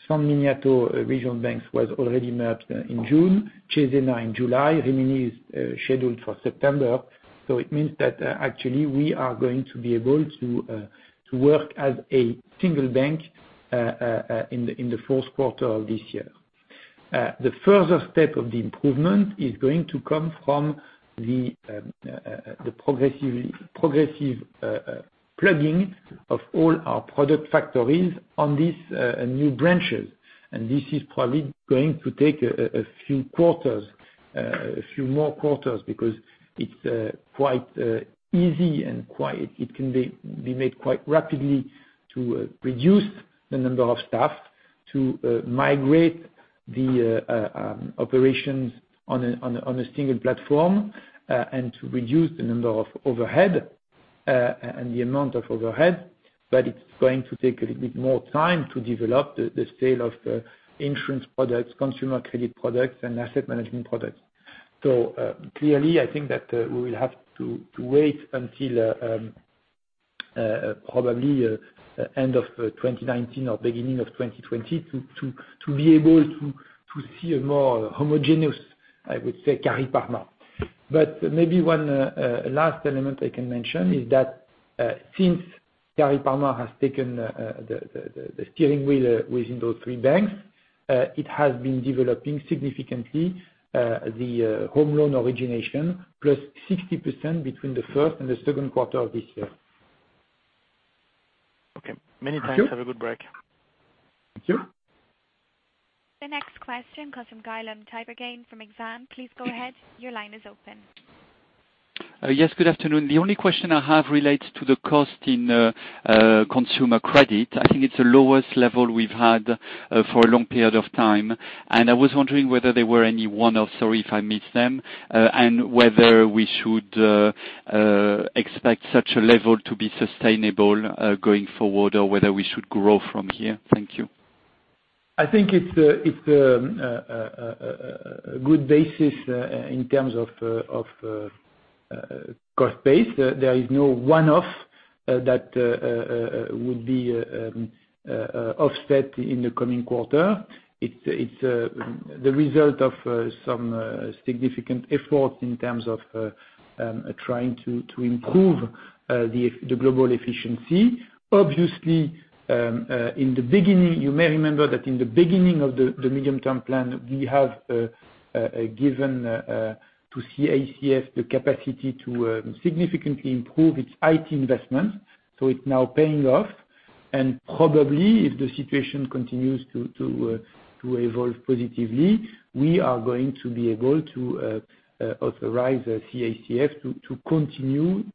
San Miniato regional bank was already merged in June, Cesena in July, Rimini is scheduled for September. It means that actually we are going to be able to work as a single bank in the fourth quarter of this year. The further step of the improvement is going to come from the progressive plugging of all our product factories on these new branches. This is probably going to take a few more quarters because it's quite easy, and it can be made quite rapidly to reduce the number of staff, to migrate the operations on a single platform, and to reduce the number of overhead and the amount of overhead. It's going to take a little bit more time to develop the sale of the insurance products, consumer credit products, and asset management products. Clearly, I think that we will have to wait until probably end of 2019 or beginning of 2020 to be able to see a more homogeneous, I would say, Cariparma. Maybe one last element I can mention is that, since Cariparma has taken the steering wheel within those three banks, it has been developing significantly the home loan origination, plus 60% between the first and the second quarter of this year. Okay. Many thanks. Thank you. Have a good break. Thank you. The next question comes from Guillaume Tiberghien from Exane. Please go ahead. Your line is open. Yes, good afternoon. The only question I have relates to the cost in consumer credit. I think it's the lowest level we've had for a long period of time. I was wondering whether there were any one-offs, or if I missed them, and whether we should expect such a level to be sustainable going forward, or whether we should grow from here. Thank you. I think it's a good basis in terms of cost base. There is no one-off that would be offset in the coming quarter. It's the result of some significant effort in terms of trying to improve the global efficiency. Obviously, you may remember that in the beginning of the medium-term plan, we have given to CACF the capacity to significantly improve its IT investments. It's now paying off. Probably, if the situation continues to evolve positively, we are going to be able to authorize CACF to continue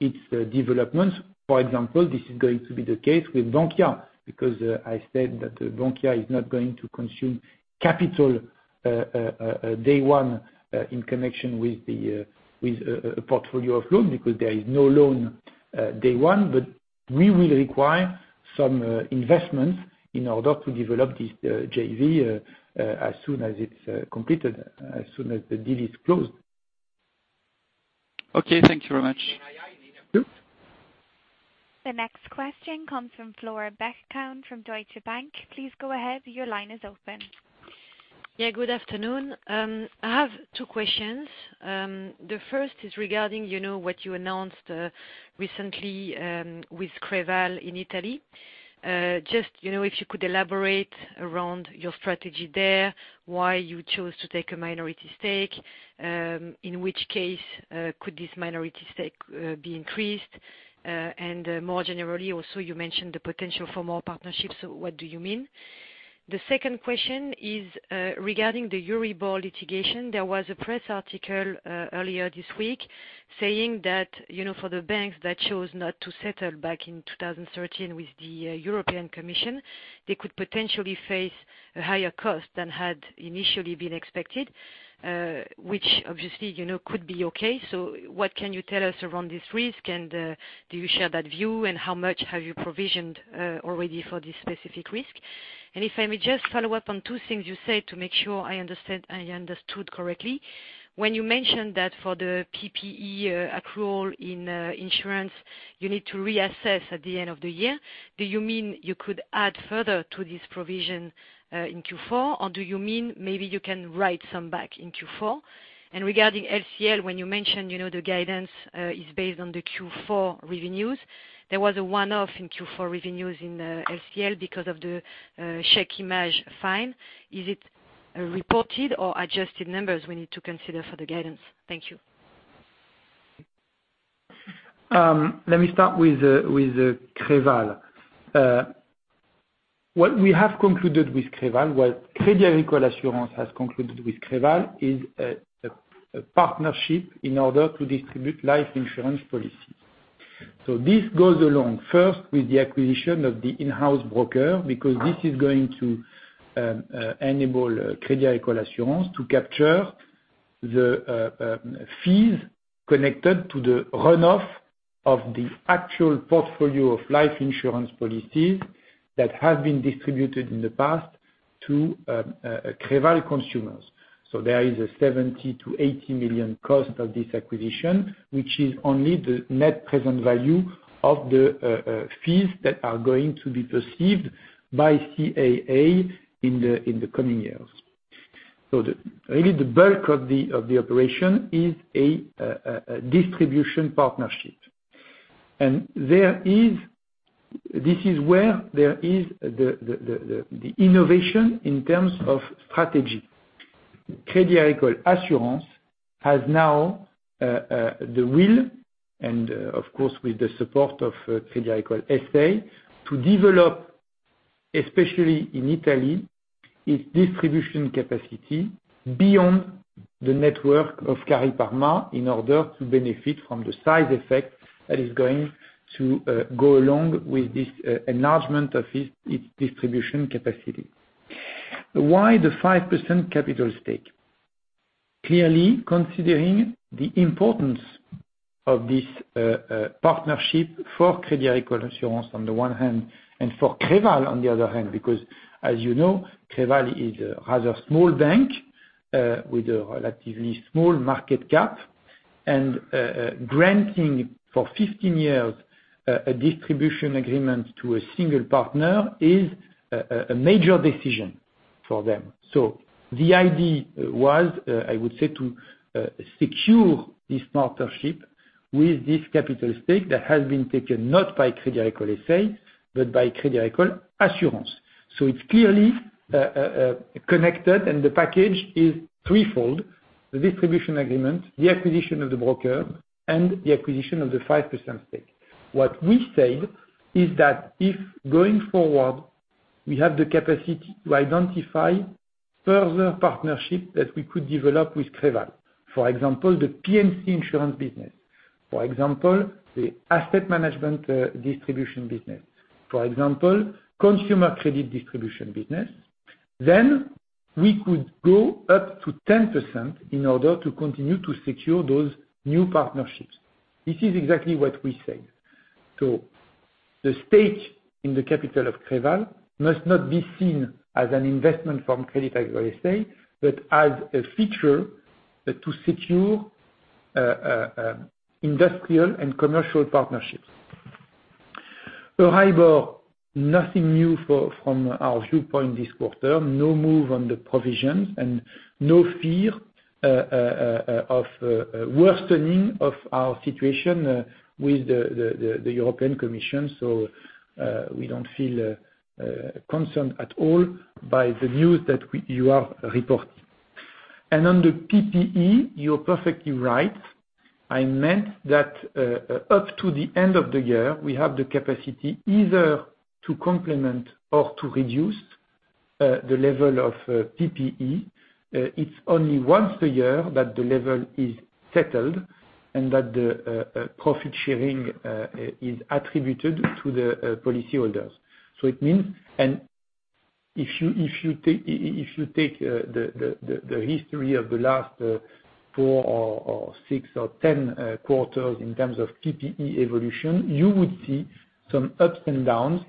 its developments. For example, this is going to be the case with Bankia, because I said that Bankia is not going to consume capital day one in connection with a portfolio of loans, because there is no loan day one. We will require some investments in order to develop this JV as soon as it's completed, as soon as the deal is closed. Okay, thank you very much. Thank you. The next question comes from Flora Bocahut from Deutsche Bank. Please go ahead, your line is open. Good afternoon. I have two questions. The first is regarding what you announced recently with Creval in Italy. Just if you could elaborate around your strategy there, why you chose to take a minority stake, in which case could this minority stake be increased? More generally, you also mentioned the potential for more partnerships, what do you mean? The second question is regarding the Euribor litigation. There was a press article earlier this week saying that for the banks that chose not to settle back in 2013 with the European Commission, they could potentially face a higher cost than had initially been expected. What can you tell us around this risk and do you share that view and how much have you provisioned already for this specific risk? If I may just follow up on two things you said to make sure I understood correctly. When you mentioned that for the PPE accrual in insurance, you need to reassess at the end of the year, do you mean you could add further to this provision in Q4 or do you mean maybe you can write some back in Q4? Regarding LCL, when you mentioned the guidance is based on the Q4 revenues, there was a one-off in Q4 revenues in LCL because of the Chèque Image fine. Is it reported or adjusted numbers we need to consider for the guidance? Thank you. Let me start with Creval. What we have concluded with Creval, what Crédit Agricole Assurances has concluded with Creval is a partnership in order to distribute life insurance policies. This goes along first with the acquisition of the in-house broker, because this is going to enable Crédit Agricole Assurances to capture the fees connected to the run-off of the actual portfolio of life insurance policies that have been distributed in the past to Creval consumers. There is a 70 million to 80 million cost of this acquisition, which is only the net present value of the fees that are going to be perceived by CAA in the coming years. Really the bulk of the operation is a distribution partnership. This is where there is the innovation in terms of strategy. Crédit Agricole Assurances has now the will and, of course, with the support of Crédit Agricole S.A., to develop, especially in Italy, its distribution capacity beyond the network of Cariparma in order to benefit from the size effect that is going to go along with this enlargement of its distribution capacity. Why the 5% capital stake? Clearly, considering the importance of this partnership for Crédit Agricole Assurances on the one hand, and for Creval on the other hand, because as you know, Creval has a small bank with a relatively small market cap. Granting for 15 years a distribution agreement to a single partner is a major decision for them. The idea was, I would say, to secure this partnership with this capital stake that has been taken not by Crédit Agricole S.A., but by Crédit Agricole Assurances. It's clearly connected, and the package is threefold: the distribution agreement, the acquisition of the broker, and the acquisition of the 5% stake. What we said is that if going forward, we have the capacity to identify further partnership that we could develop with Creval, for example, the P&C insurance business, for example, the asset management distribution business, for example, consumer credit distribution business, then we could go up to 10% in order to continue to secure those new partnerships. This is exactly what we said. The stake in the capital of Creval must not be seen as an investment from Crédit Agricole S.A., but as a feature to secure industrial and commercial partnerships. Euribor, nothing new from our viewpoint this quarter. No move on the provisions, and no fear of worsening of our situation with the European Commission. We don't feel concerned at all by the news that you are reporting. On the PPE, you're perfectly right. I meant that up to the end of the year, we have the capacity either to complement or to reduce the level of PPE. It's only once a year that the level is settled and that the profit sharing is attributed to the policyholders. If you take the history of the last four or six or 10 quarters in terms of PPE evolution, you would see some ups and downs.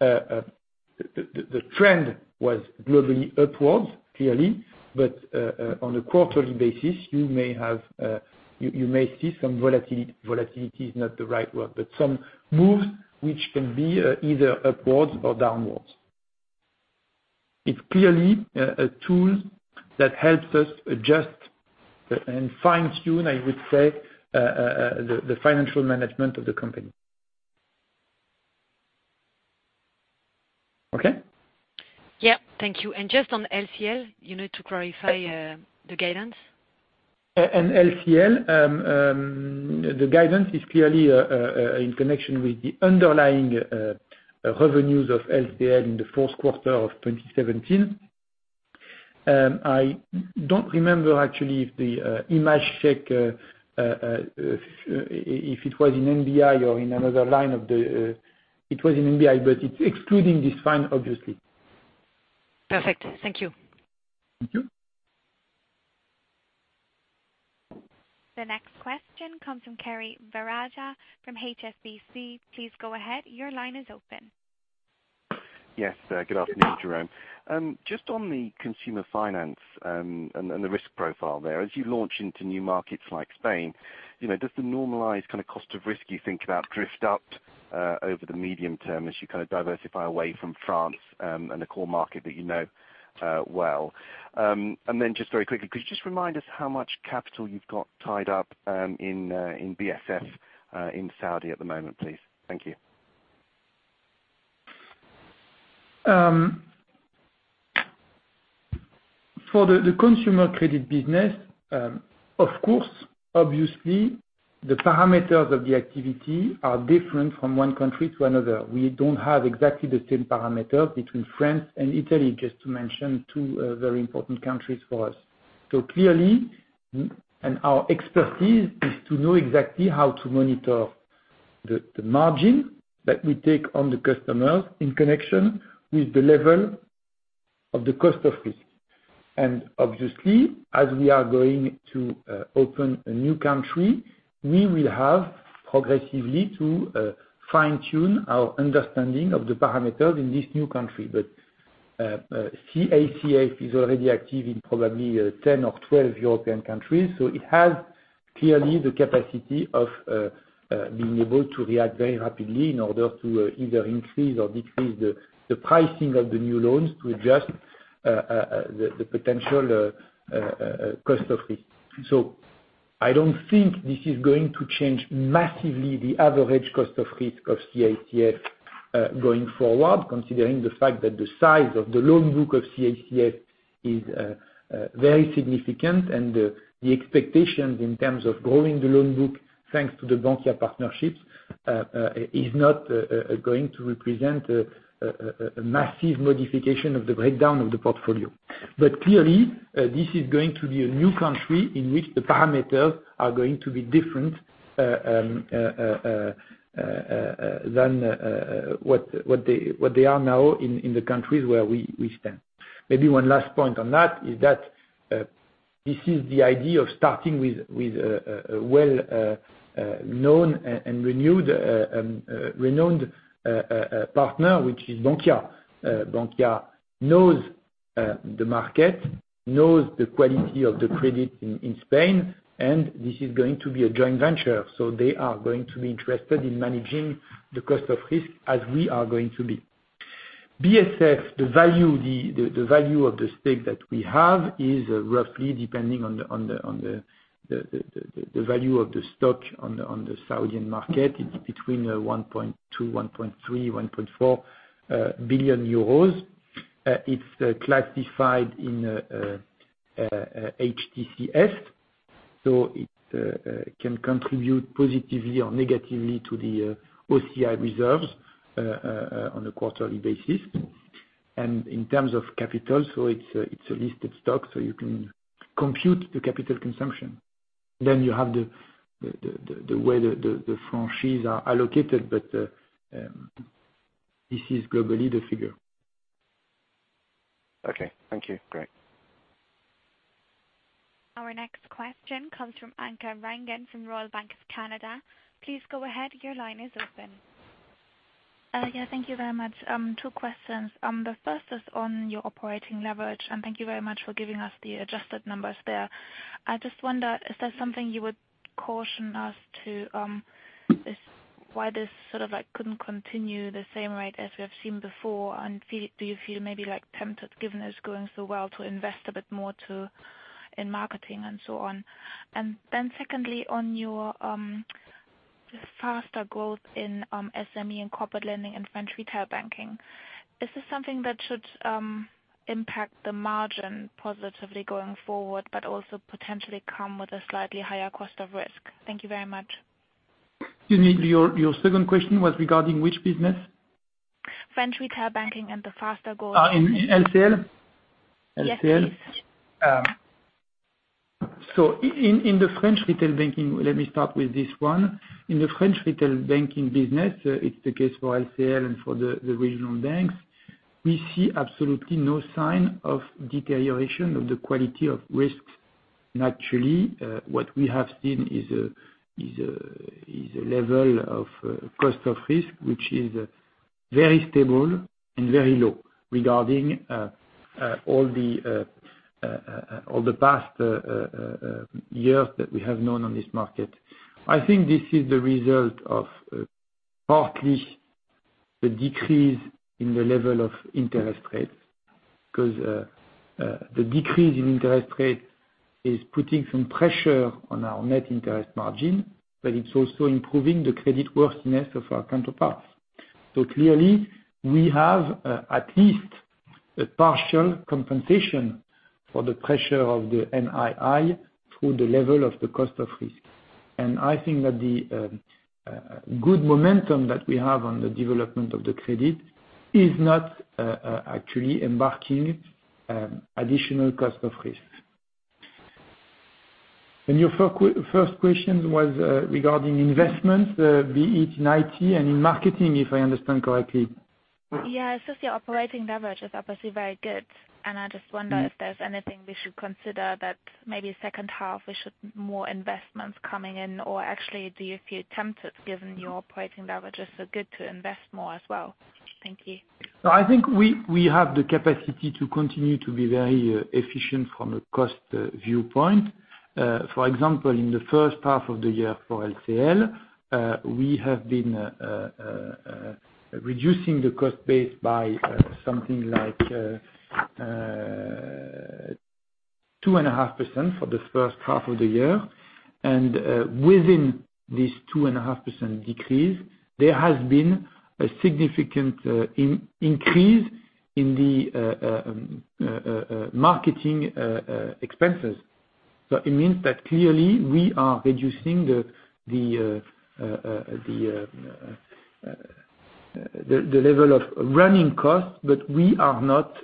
The trend was globally upwards, clearly. On a quarterly basis, you may see some volatility. Volatility is not the right word, but some moves which can be either upwards or downwards. It's clearly a tool that helps us adjust and fine-tune, I would say, the financial management of the company. Okay? Yeah. Thank you. Just on LCL, you need to clarify the guidance. On LCL, the guidance is clearly in connection with the underlying revenues of LCL in the fourth quarter of 2017. I don't remember actually if the Chèque Image, if it was in NBI or in another line. It was in NBI, but it's excluding this fine, obviously. Perfect. Thank you. Thank you. The next question comes from Kiri Vijayarajah from HSBC. Please go ahead. Your line is open. Yes. Good afternoon, Jérôme. Just on the consumer finance, and the risk profile there, as you launch into new markets like Spain, does the normalized kind of cost of risk you think about drift up over the medium term as you kind of diversify away from France, and the core market that you know well? Just very quickly, could you just remind us how much capital you've got tied up in BSF in Saudi at the moment, please? Thank you. For the consumer credit business, of course, obviously, the parameters of the activity are different from one country to another. We don't have exactly the same parameters between France and Italy, just to mention two very important countries for us. Clearly, our expertise is to know exactly how to monitor the margin that we take on the customers in connection with the level of the cost of risk. Obviously, as we are going to open a new country, we will have progressively to fine-tune our understanding of the parameters in this new country. CACF is already active in probably 10 or 12 European countries, it has clearly the capacity of being able to react very rapidly in order to either increase or decrease the pricing of the new loans to adjust the potential cost of risk. I don't think this is going to change massively the average cost of risk of CACF going forward, considering the fact that the size of the loan book of CACF is very significant and the expectations in terms of growing the loan book, thanks to the Bankia partnerships, is not going to represent a massive modification of the breakdown of the portfolio. Clearly, this is going to be a new country in which the parameters are going to be different than what they are now in the countries where we stand. Maybe one last point on that is that this is the idea of starting with a well-known and renowned partner, which is Bankia. Bankia knows the market, knows the quality of the credit in Spain, this is going to be a joint venture, they are going to be interested in managing the cost of risk as we are going to be. BSF, the value of the stake that we have is roughly depending on the value of the stock on the Saudi market. It's between 1.2 billion euros, EUR 1.3 billion, EUR 1.4 billion. It's classified in HTCS, it can contribute positively or negatively to the OCI reserves on a quarterly basis. In terms of capital, it's a listed stock, you can compute the capital consumption. You have the way the [franchisees] are allocated, but this is globally the figure. Okay. Thank you. Great. Our next question comes from Anke Reingen from Royal Bank of Canada. Please go ahead. Your line is open. Yeah, thank you very much. Two questions. The first is on your operating leverage, thank you very much for giving us the adjusted numbers there. I just wonder, is that something you would caution us to, is why this sort of couldn't continue the same rate as we have seen before, do you feel maybe tempted, given it's going so well, to invest a bit more in marketing and so on? Secondly, on your faster growth in SME and corporate lending and French retail banking. Is this something that should impact the margin positively going forward, but also potentially come with a slightly higher cost of risk? Thank you very much. Excuse me. Your second question was regarding which business? French retail banking the faster growth. In LCL? LCL? Yes, please. In the French retail banking, let me start with this one. In the French retail banking business, it is the case for LCL and for the regional banks. We see absolutely no sign of deterioration of the quality of risks. Naturally, what we have seen is a level of cost of risk, which is very stable and very low regarding all the past years that we have known on this market. I think this is the result of partly the decrease in the level of interest rates, because the decrease in interest rate is putting some pressure on our net interest margin, but it is also improving the creditworthiness of our counterparts. Clearly, we have at least a partial compensation for the pressure of the NII through the level of the cost of risk. I think that the good momentum that we have on the development of the credit is not actually embarking additional cost of risk. Your first question was regarding investments, be it in IT and in marketing, if I understand correctly. Yeah. Since the operating leverage is obviously very good, I just wonder if there's anything we should consider that maybe second half, we should more investments coming in. Actually, do you feel tempted, given your operating leverage is so good to invest more as well? Thank you. I think we have the capacity to continue to be very efficient from a cost viewpoint. For example, in the first half of the year for LCL, we have been reducing the cost base by something like 2.5% for the first half of the year. Within this 2.5% decrease, there has been a significant increase in the marketing expenses. It means that clearly we are reducing the level of running costs, but we are not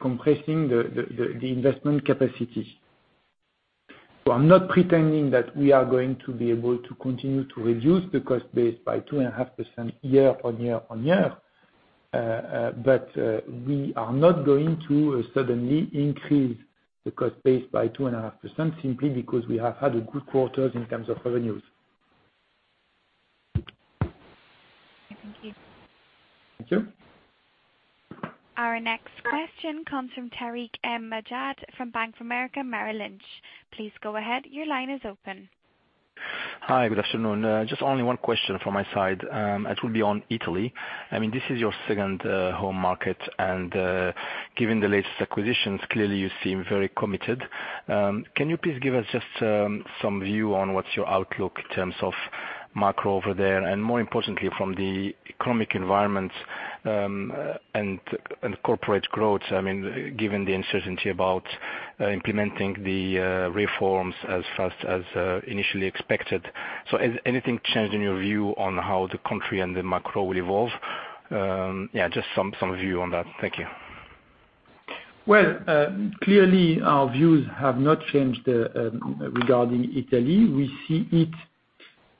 compressing the investment capacity. I'm not pretending that we are going to be able to continue to reduce the cost base by 2.5% year on year on year, but we are not going to suddenly increase the cost base by 2.5% simply because we have had good quarters in terms of revenues. Thank you. Thank you. Our next question comes from Tarik El Mejjad from Bank of America Merrill Lynch. Please go ahead. Your line is open. Hi. Good afternoon. Just only one question from my side. It will be on Italy. This is your second home market and, given the latest acquisitions, clearly you seem very committed. Can you please give us just some view on what's your outlook in terms of macro over there, and more importantly, from the economic environment and corporate growth, given the uncertainty about implementing the reforms as fast as initially expected. Has anything changed in your view on how the country and the macro will evolve? Just some view on that. Thank you. Well, clearly our views have not changed regarding Italy. We see it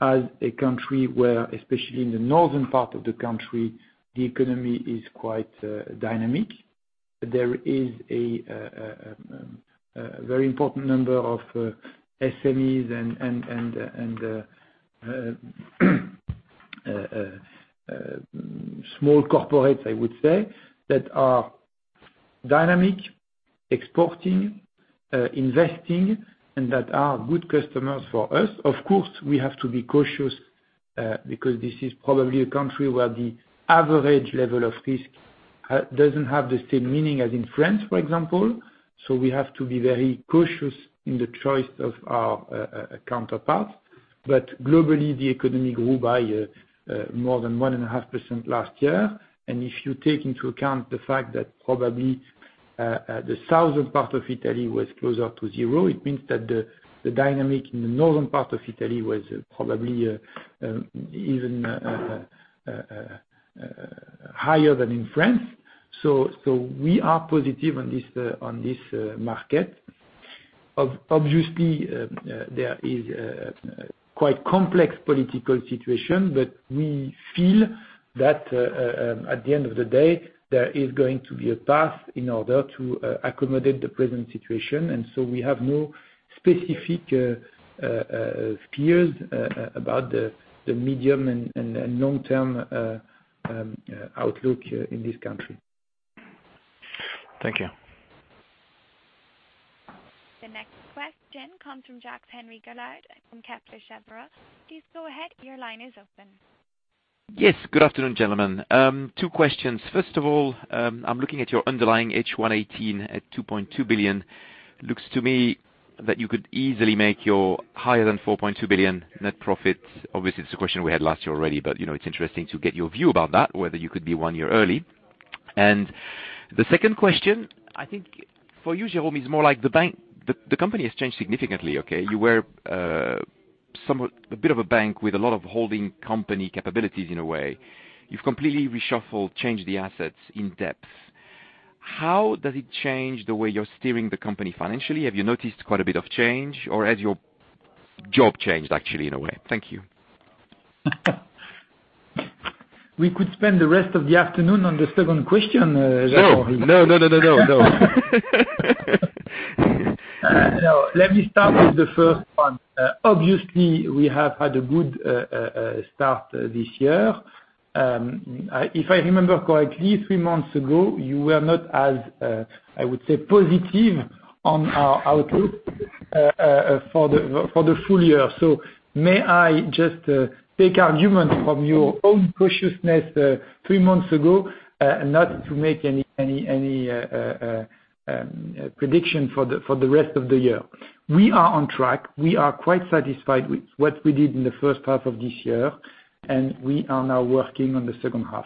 as a country where, especially in the northern part of the country, the economy is quite dynamic. There is a very important number of SMEs and small corporates, I would say, that are dynamic, exporting, investing, and that are good customers for us. Of course, we have to be cautious, because this is probably a country where the average level of risk doesn't have the same meaning as in France, for example. We have to be very cautious in the choice of our counterparts. Globally, the economy grew by more than 1.5% last year. If you take into account the fact that probably the southern part of Italy was closer to zero, it means that the dynamic in the northern part of Italy was probably even higher than in France. We are positive on this market. Obviously, there is a quite complex political situation, we feel that at the end of the day, there is going to be a path in order to accommodate the present situation, we have no specific fears about the medium and long-term outlook in this country. Thank you. The next question comes from Jacques-Henri Gaulard from Kepler Cheuvreux. Please go ahead. Your line is open. Yes. Good afternoon, gentlemen. Two questions. First of all, I'm looking at your underlying H118 at 2.2 billion. Looks to me that you could easily make your higher than 4.2 billion net profit. Obviously, it's a question we had last year already, but it's interesting to get your view about that, whether you could be one year early. The second question, I think for you, Jérôme, is more like the company has changed significantly. Okay? You were a bit of a bank with a lot of holding company capabilities in a way. You've completely reshuffled, changed the assets in depth. How does it change the way you're steering the company financially? Have you noticed quite a bit of change, or has your job changed, actually in a way? Thank you. We could spend the rest of the afternoon on the second question, Jacques. No. No. Let me start with the first one. Obviously, we have had a good start this year. If I remember correctly, three months ago, you were not as, I would say, positive on our outlook for the full year. May I just take argument from your own preciousness three months ago, not to make any prediction for the rest of the year. We are on track. We are quite satisfied with what we did in the first half of this year, and we are now working on the second half.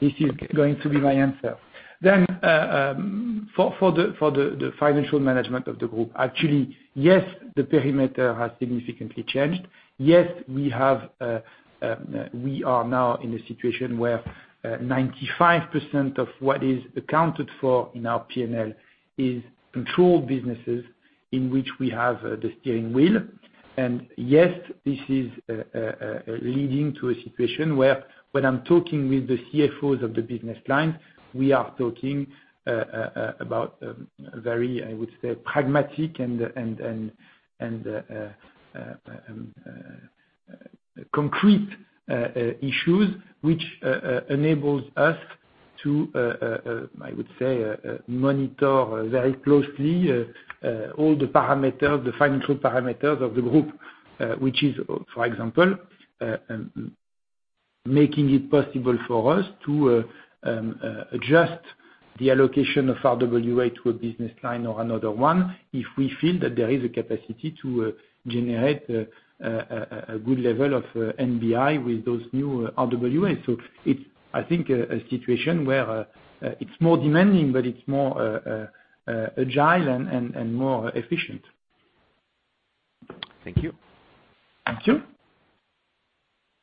This is going to be my answer. For the financial management of the group, actually, yes, the perimeter has significantly changed. Yes, we are now in a situation where 95% of what is accounted for in our P&L is controlled businesses in which we have the steering wheel. Yes, this is leading to a situation where, when I'm talking with the CFOs of the business line, we are talking about very, I would say, pragmatic and concrete issues which enables us to, I would say, monitor very closely all the parameters, the financial parameters of the group, which is, for example making it possible for us to adjust the allocation of RWA to a business line or another one if we feel that there is a capacity to generate a good level of NBI with those new RWAs. It's, I think, a situation where it's more demanding, but it's more agile and more efficient. Thank you. Thank you.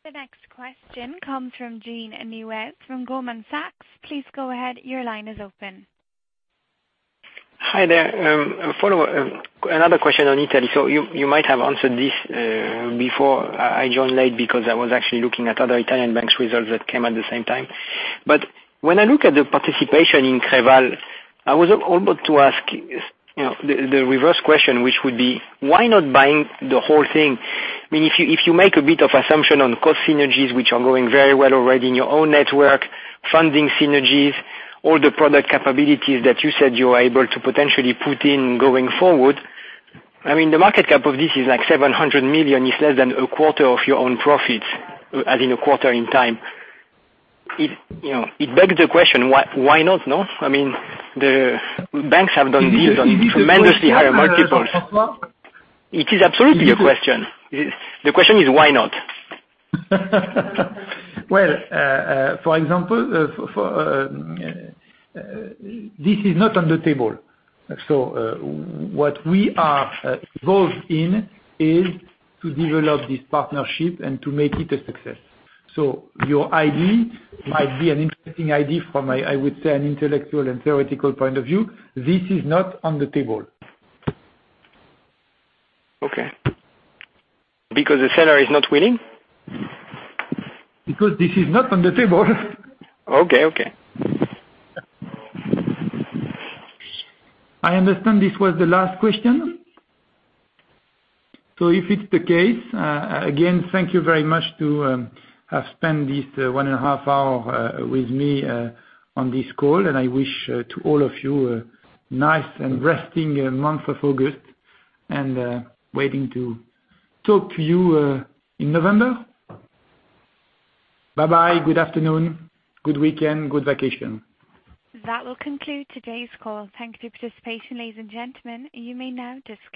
The next question comes from Jean-Louis from Goldman Sachs. Please go ahead. Your line is open. Hi there. A follow-up, another question on Italy. You might have answered this before I joined late because I was actually looking at other Italian banks' results that came at the same time. When I look at the participation in Creval, I was about to ask the reverse question, which would be, why not buying the whole thing? If you make a bit of assumption on cost synergies, which are going very well already in your own network, funding synergies, all the product capabilities that you said you are able to potentially put in going forward. The market cap of this is like 700 million, is less than a quarter of your own profits, as in a quarter in time. It begs the question, why not, no? The banks have done deals on tremendously higher multiples. It is absolutely a question. The question is, why not? Well, for example, this is not on the table. What we are involved in is to develop this partnership and to make it a success. Your idea might be an interesting idea from, I would say, an intellectual and theoretical point of view. This is not on the table. Okay. Because the seller is not willing? Because this is not on the table. Okay. I understand this was the last question. If it's the case, again, thank you very much to have spent this one and a half hour with me on this call, and I wish to all of you a nice and resting month of August, and waiting to talk to you in November. Bye-bye. Good afternoon. Good weekend. Good vacation. That will conclude today's call. Thank you for participating, ladies and gentlemen. You may now disconnect.